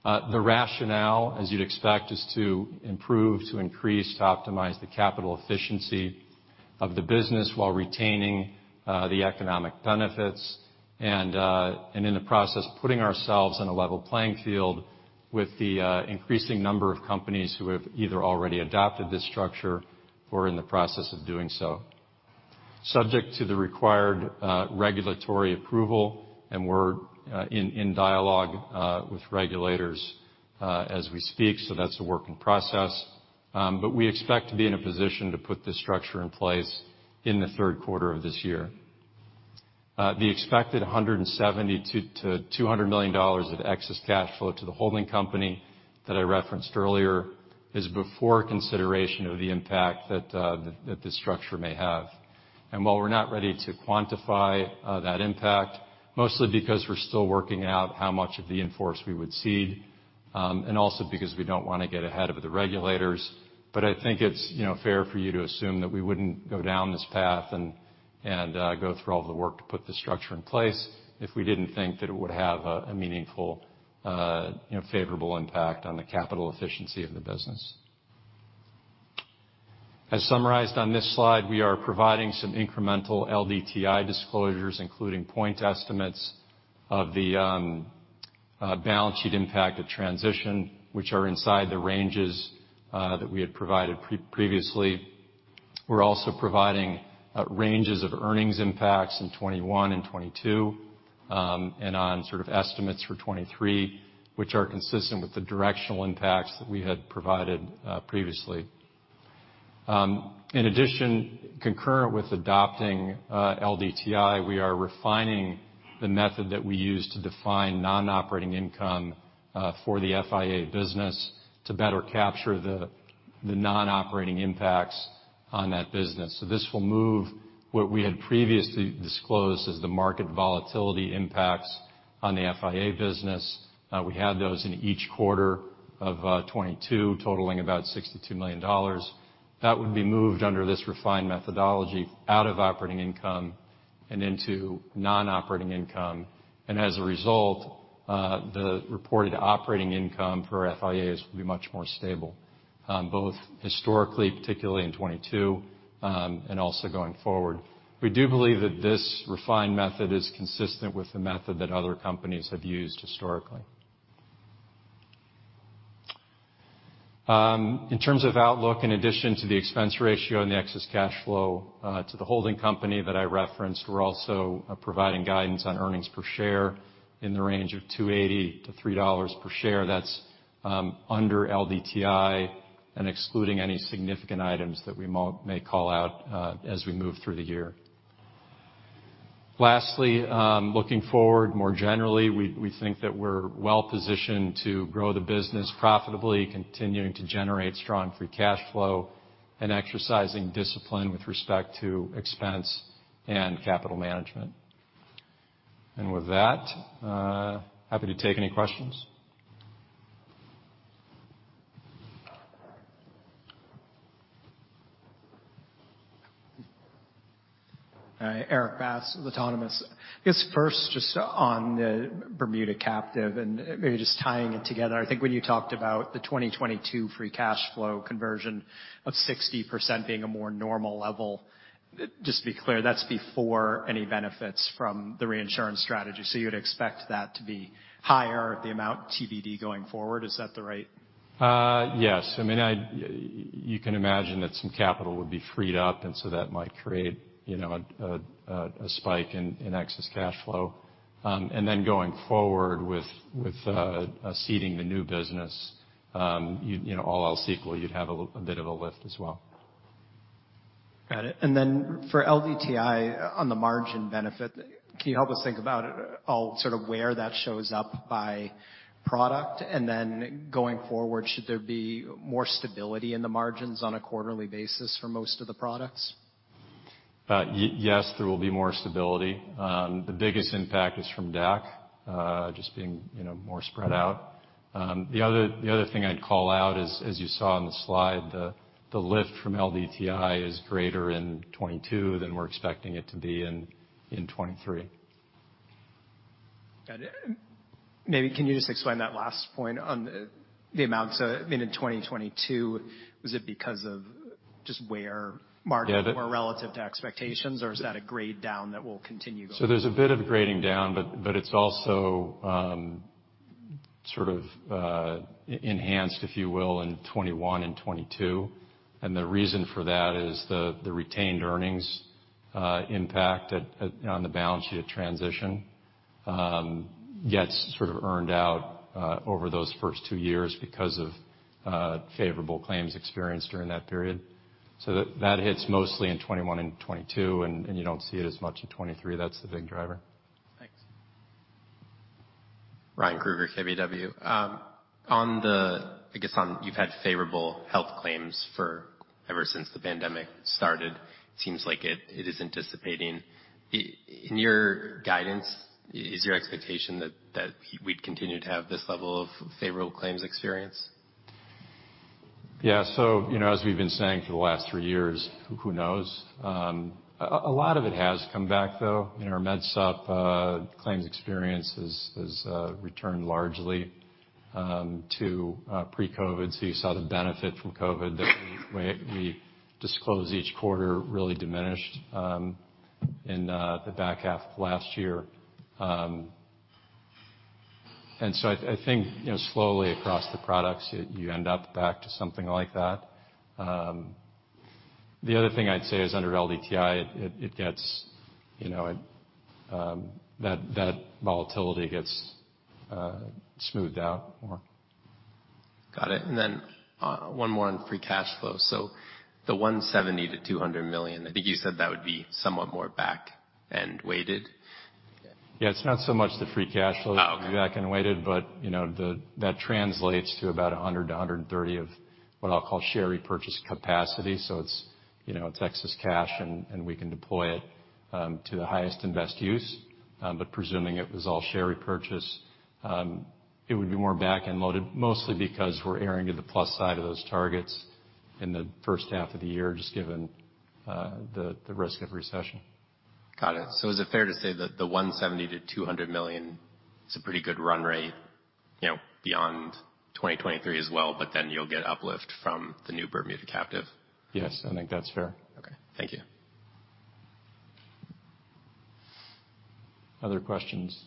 The rationale, as you'd expect, is to improve, to increase, to optimize the capital efficiency of the business while retaining the economic benefits and in the process, putting ourselves on a level playing field with the increasing number of companies who have either already adopted this structure or are in the process of doing so. Subject to the required regulatory approval, we're in dialogue with regulators as we speak, that's a work in process. We expect to be in a position to put this structure in place in the third quarter of this year. The expected $170 million-$200 million of excess cash flow to the holding company that I referenced earlier is before consideration of the impact that this structure may have. While we're not ready to quantify that impact, mostly because we're still working out how much of the in-force we would cede, and also because we don't wanna get ahead of the regulators, but I think it's, you know, fair for you to assume that we wouldn't go down this path and go through all the work to put this structure in place if we didn't think that it would have a meaningful, you know, favorable impact on the capital efficiency of the business. As summarized on this slide, we are providing some incremental LDTI disclosures, including point estimates of the balance sheet impact of transition, which are inside the ranges that we had provided previously. We're also providing ranges of earnings impacts in 2021 and 2022, and on sort of estimates for 2023, which are consistent with the directional impacts that we had provided previously. In addition, concurrent with adopting LDTI, we are refining the method that we use to define non-operating income for the FIA business to better capture the non-operating impacts on that business. This will move what we had previously disclosed as the market volatility impacts on the FIA business. We had those in each quarter of 2022, totaling about $62 million. That would be moved under this refined methodology out of operating income and into non-operating income. As a result, the reported operating income for FIAs will be much more stable, both historically, particularly in 2022, and also going forward. We do believe that this refined method is consistent with the method that other companies have used historically. In terms of outlook, in addition to the expense ratio and the excess cash flow to the holding company that I referenced, we're also providing guidance on earnings per share in the range of $2.80-$3.00 per share. That's under LDTI and excluding any significant items that we may call out as we move through the year. Lastly, looking forward more generally, we think that we're well positioned to grow the business profitably, continuing to generate strong free cash flow, and exercising discipline with respect to expense and capital management. With that, happy to take any questions. Erik Bass with Autonomous. I guess first, just on the Bermuda captive and maybe just tying it together, I think when you talked about the 2022 free cash flow conversion of 60% being a more normal level, just to be clear, that's before any benefits from the reinsurance strategy. You would expect that to be higher, the amount TBD going forward. Is that the right? Yes. I mean, You can imagine that some capital would be freed up, and so that might create, you know, a spike in excess cash flow. Then going forward with ceding the new business, you know, all else equal, you'd have a bit of a lift as well. Got it. Then for LDTI, on the margin benefit, can you help us think about all sort of where that shows up by product? Then going forward, should there be more stability in the margins on a quarterly basis for most of the products? Yes, there will be more stability. The biggest impact is from DAC, just being, you know, more spread out. The other thing I'd call out is, as you saw on the slide, the lift from LDTI is greater in 2022 than we're expecting it to be in 2023. Got it. Maybe can you just explain that last point on the amounts, made in 2022? Was it because of just where markets were relative to expectations? Or is that a grade down that will continue going forward? There's a bit of grading down, but it's also sort of e-enhanced, if you will, in 2021 and 2022. The reason for that is the retained earnings impact at on the balance sheet transition gets sort of earned out over those first two years because of favorable claims experience during that period. That hits mostly in 2021 and 2022, and you don't see it as much in 2023. That's the big driver. Thanks. Ryan Krueger, KBW. I guess on you've had favorable health claims for ever since the pandemic started. Seems like it is anticipating. In your guidance, is your expectation that we'd continue to have this level of favorable claims experience? Yeah. You know, as we've been saying for the last three years, who knows? A lot of it has come back, though. You know, our Med Supp claims experience has returned largely to pre-COVID. You saw the benefit from COVID that we disclose each quarter really diminished in the back half of last year. I think, you know, slowly across the products you end up back to something like that. The other thing I'd say is under LDTI it gets, you know, that volatility gets smoothed out more. Got it. One more on free cash flow. The $170 million-$200 million, I think you said that would be somewhat more back and weighted. Yeah, it's not so much the free cash flow. Oh, okay. back and weighted, you know, that translates to about $100-$130 of what I'll call share repurchase capacity. It's, you know, it's excess cash and we can deploy it to the highest and best use. Presuming it was all share repurchase, it would be more back and loaded mostly because we're erring to the plus side of those targets in the first half of the year, just given the risk of recession. Got it. Is it fair to say that the $170 million-$200 million is a pretty good run rate, you know, beyond 2023 as well, but then you'll get uplift from the new Bermuda captive? Yes, I think that's fair. Okay. Thank you. Other questions?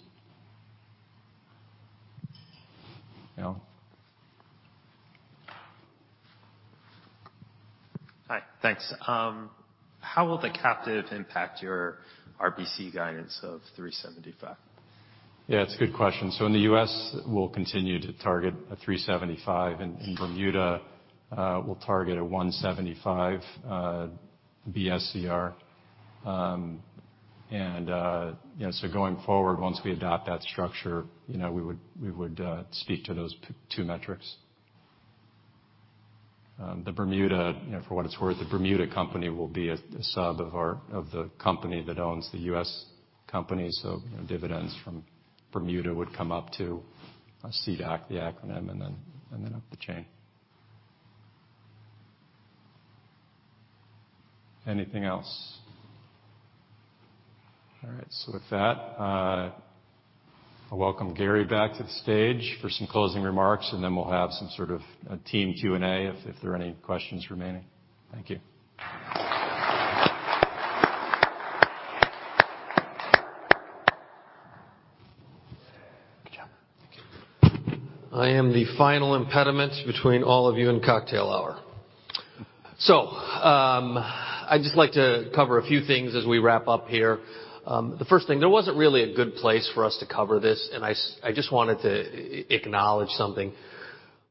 No. Hi. Thanks. How will the captive impact your RBC guidance of 375? Yeah, it's a good question. In the U.S., we'll continue to target a 375. In Bermuda, we'll target a 175 BSCR. You know, going forward, once we adopt that structure, you know, we would speak to those two metrics. The Bermuda, you know, for what it's worth, the Bermuda company will be a sub of the company that owns the U.S. company. You know, dividends from Bermuda would come up to CDOC, the acronym, and then up the chain. Anything else? All right. With that, I'll welcome Gary back to the stage for some closing remarks, and then we'll have some sort of a team Q&A if there are any questions remaining. Thank you. Good job. Thank you. I am the final impediment between all of you and cocktail hour. I'd just like to cover a few things as we wrap up here. The first thing, there wasn't really a good place for us to cover this, and I just wanted to acknowledge something.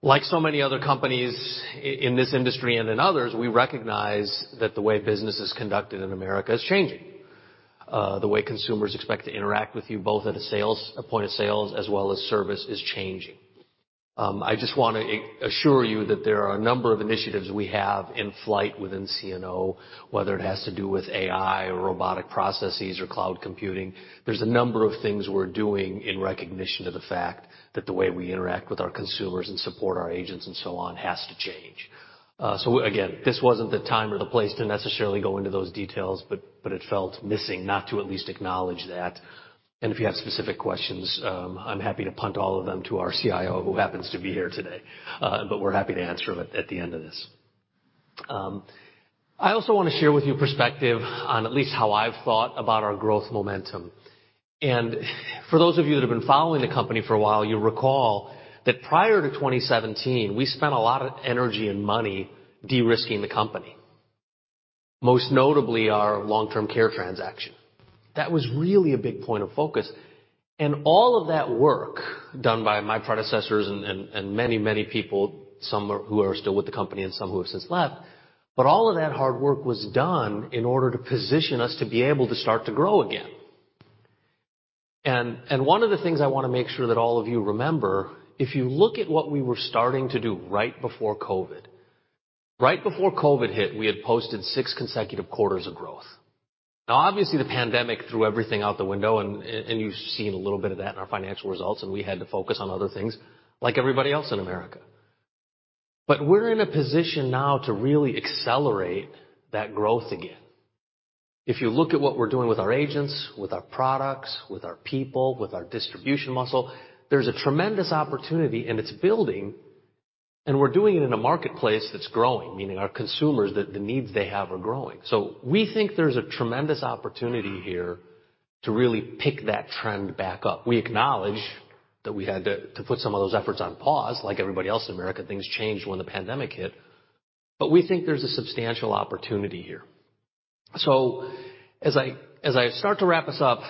Like so many other companies in this industry and in others, we recognize that the way business is conducted in America is changing. The way consumers expect to interact with you, both at a point of sales as well as service is changing. I just wanna assure you that there are a number of initiatives we have in flight within CNO, whether it has to do with AI or robotic processes or cloud computing. There's a number of things we're doing in recognition of the fact that the way we interact with our consumers and support our agents and so on, has to change. Again, this wasn't the time or the place to necessarily go into those details, but it felt missing not to at least acknowledge that. If you have specific questions, I'm happy to punt all of them to our CIO who happens to be here today. We're happy to answer them at the end of this. I also want to share with you perspective on at least how I've thought about our growth momentum. For those of you that have been following the company for a while, you'll recall that prior to 2017, we spent a lot of energy and money de-risking the company. Most notably our long-term care transaction. That was really a big point of focus. All of that work done by my predecessors and many, many people, some who are still with the company and some who have since left. All of that hard work was done in order to position us to be able to start to grow again. One of the things I wanna make sure that all of you remember, if you look at what we were starting to do right before COVID. Right before COVID hit, we had posted six consecutive quarters of growth. Now obviously, the pandemic threw everything out the window and you've seen a little bit of that in our financial results, and we had to focus on other things like everybody else in America. But we're in a position now to really accelerate that growth again. If you look at what we're doing with our agents, with our products, with our people, with our distribution muscle, there's a tremendous opportunity, and it's building, and we're doing it in a marketplace that's growing, meaning our consumers, the needs they have are growing. We think there's a tremendous opportunity here to really pick that trend back up. We acknowledge that we had to put some of those efforts on pause, like everybody else in America. Things changed when the pandemic hit. We think there's a substantial opportunity here. As I start to wrap us up,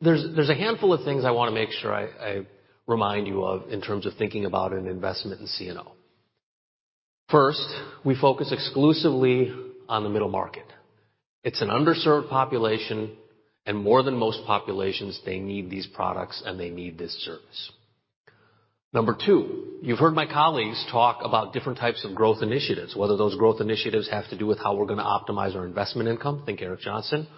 there's a handful of things I wanna make sure I remind you of in terms of thinking about an investment in CNO. First, we focus exclusively on the middle market. It's an underserved population more than most populations, they need these products and they need this service. Number two, you've heard my colleagues talk about different types of growth initiatives, whether those growth initiatives have to do with how we're gonna optimize our investment income, think Eric Johnson.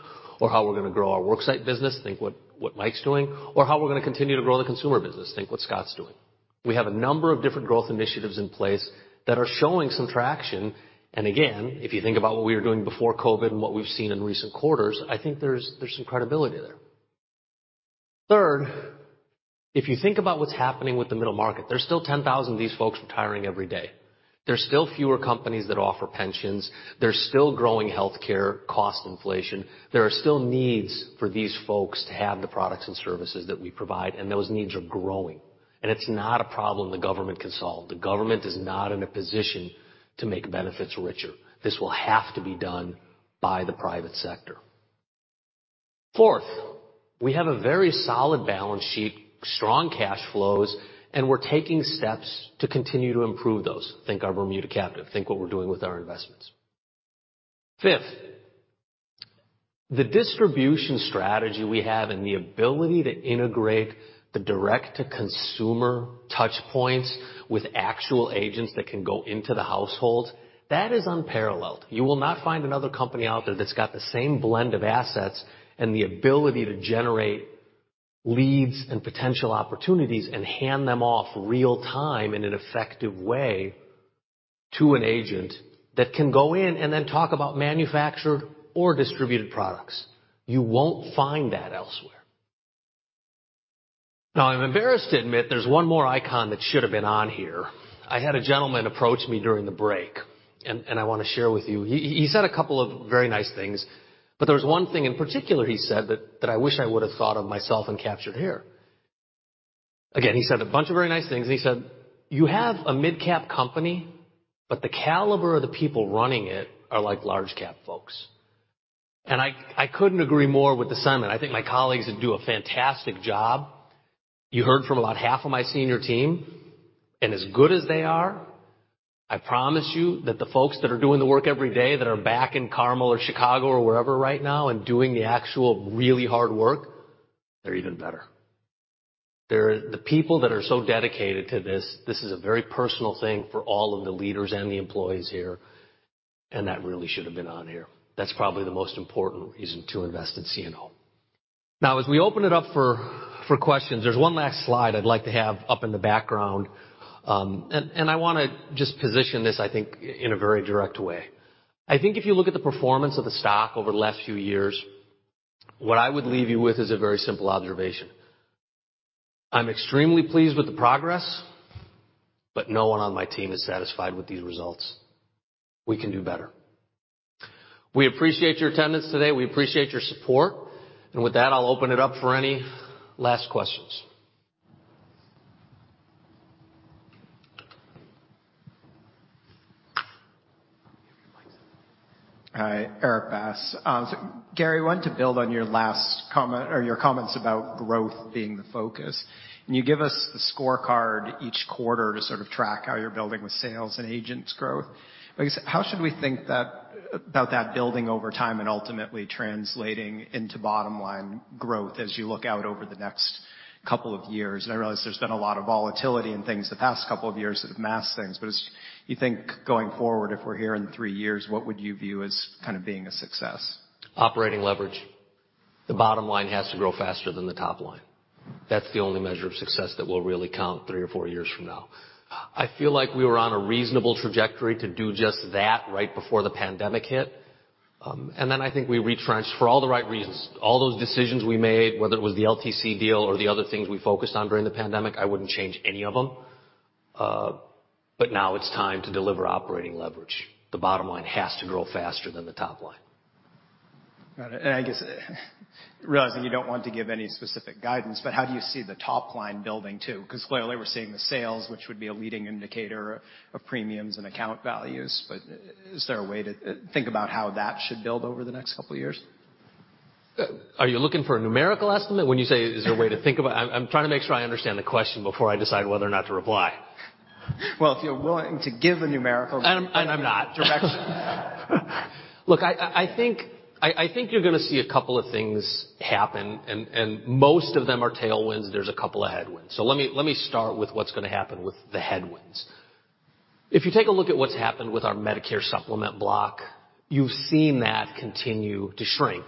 How we're gonna grow our worksite business, think what Mike's doing. How we're gonna continue to grow the consumer business, think what Scott's doing. We have a number of different growth initiatives in place that are showing some traction, and again, if you think about what we were doing before COVID and what we've seen in recent quarters, I think there's some credibility there. Third, if you think about what's happening with the middle market, there's still 10,000 of these folks retiring every day. There's still fewer companies that offer pensions. There's still growing healthcare cost inflation. There are still needs for these folks to have the products and services that we provide, and those needs are growing. It's not a problem the government can solve. The government is not in a position to make benefits richer. This will have to be done by the private sector. Fourth, we have a very solid balance sheet, strong cash flows, and we're taking steps to continue to improve those. Think our Bermuda captive, think what we're doing with our investments. Fifth, the distribution strategy we have and the ability to integrate the direct-to-consumer touchpoints with actual agents that can go into the households, that is unparalleled. You will not find another company out there that's got the same blend of assets and the ability to generate leads and potential opportunities and hand them off real time in an effective way to an agent that can go in and then talk about manufactured or distributed products. You won't find that elsewhere. I'm embarrassed to admit there's one more icon that should have been on here. I had a gentleman approach me during the break, and I wanna share with you. He said a couple of very nice things, but there's one thing in particular he said that I wish I would've thought of myself and captured here. Again, he said a bunch of very nice things, and he said, "You have a mid-cap company, but the caliber of the people running it are like large-cap folks." I couldn't agree more with this gentleman. I think my colleagues do a fantastic job. You heard from about half of my senior team, and as good as they are, I promise you that the folks that are doing the work every day that are back in Carmel or Chicago or wherever right now and doing the actual really hard work, they're even better. They're the people that are so dedicated to this is a very personal thing for all of the leaders and the employees here, and that really should have been on here. That's probably the most important reason to invest in CNO. Now, as we open it up for questions, there's one last slide I'd like to have up in the background, and I wanna just position this, I think, in a very direct way. I think if you look at the performance of the stock over the last few years, what I would leave you with is a very simple observation. I'm extremely pleased with the progress, but no one on my team is satisfied with these results. We can do better. We appreciate your attendance today. We appreciate your support, and with that, I'll open it up for any last questions. Hi, Erik Bass. Gary, wanted to build on your last comment or your comments about growth being the focus, and you give us the scorecard each quarter to sort of track how you're building with sales and agents' growth. How should we think that, about that building over time and ultimately translating into bottom line growth as you look out over the next couple of years? I realize there's been a lot of volatility in things the past couple of years that have masked things, as you think going forward, if we're here in three years, what would you view as kind of being a success? Operating leverage. The bottom line has to grow faster than the top line. That's the only measure of success that will really count three or four years from now. I feel like we were on a reasonable trajectory to do just that right before the pandemic hit, and then I think we retrenched for all the right reasons. All those decisions we made, whether it was the LTC deal or the other things we focused on during the pandemic, I wouldn't change any of them. Now it's time to deliver operating leverage. The bottom line has to grow faster than the top line. Got it. I guess, realizing you don't want to give any specific guidance, but how do you see the top line building too? 'Cause clearly we're seeing the sales, which would be a leading indicator of premiums and account values, but is there a way to think about how that should build over the next couple of years? Are you looking for a numerical estimate when you say is there a way to think about...? I'm trying to make sure I understand the question before I decide whether or not to reply. Well, if you're willing to give a numerical- I'm not. Direction. Look, I think you're gonna see a couple of things happen and most of them are tailwinds. There's a couple of headwinds. Lemme start with what's gonna happen with the headwinds. If you take a look at what's happened with our Medicare Supplement block, you've seen that continue to shrink,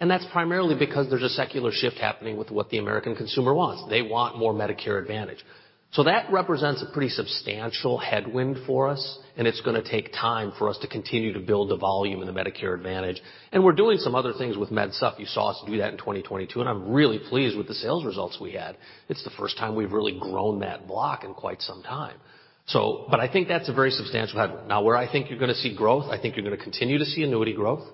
and that's primarily because there's a secular shift happening with what the American consumer wants. They want more Medicare Advantage. That represents a pretty substantial headwind for us, and it's gonna take time for us to continue to build the volume in the Medicare Advantage, and we're doing some other things with Med Supp. You saw us do that in 2022, and I'm really pleased with the sales results we had. It's the first time we've really grown that block in quite some time. I think that's a very substantial headwind. Where I think you're gonna see growth, I think you're gonna continue to see annuity growth.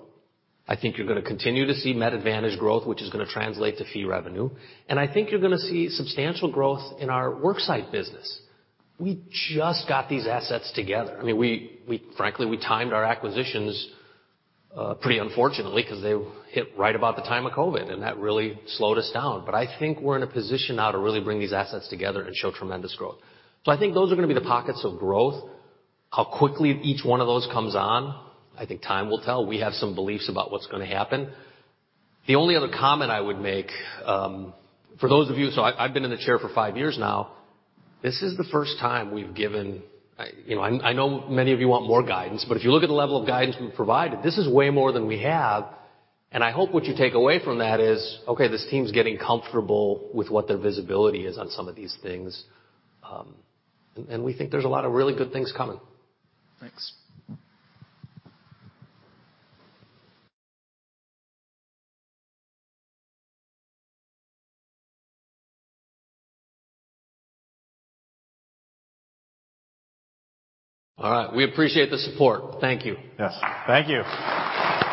I think you're gonna continue to see Med Advantage growth, which is gonna translate to fee revenue. I think you're gonna see substantial growth in our worksite business. We just got these assets together. I mean, we frankly we timed our acquisitions pretty unfortunately, 'cause they hit right about the time of COVID, and that really slowed us down. I think we're in a position now to really bring these assets together and show tremendous growth. I think those are gonna be the pockets of growth. How quickly each one of those comes on, I think time will tell. We have some beliefs about what's gonna happen. The only other comment I would make, for those of you... I've been in the chair for five years now. This is the first time we've given, you know, I know many of you want more guidance, but if you look at the level of guidance we've provided, this is way more than we have. I hope what you take away from that is, okay, this team's getting comfortable with what their visibility is on some of these things. And we think there's a lot of really good things coming. Thanks. All right. We appreciate the support. Thank you. Yes. Thank you.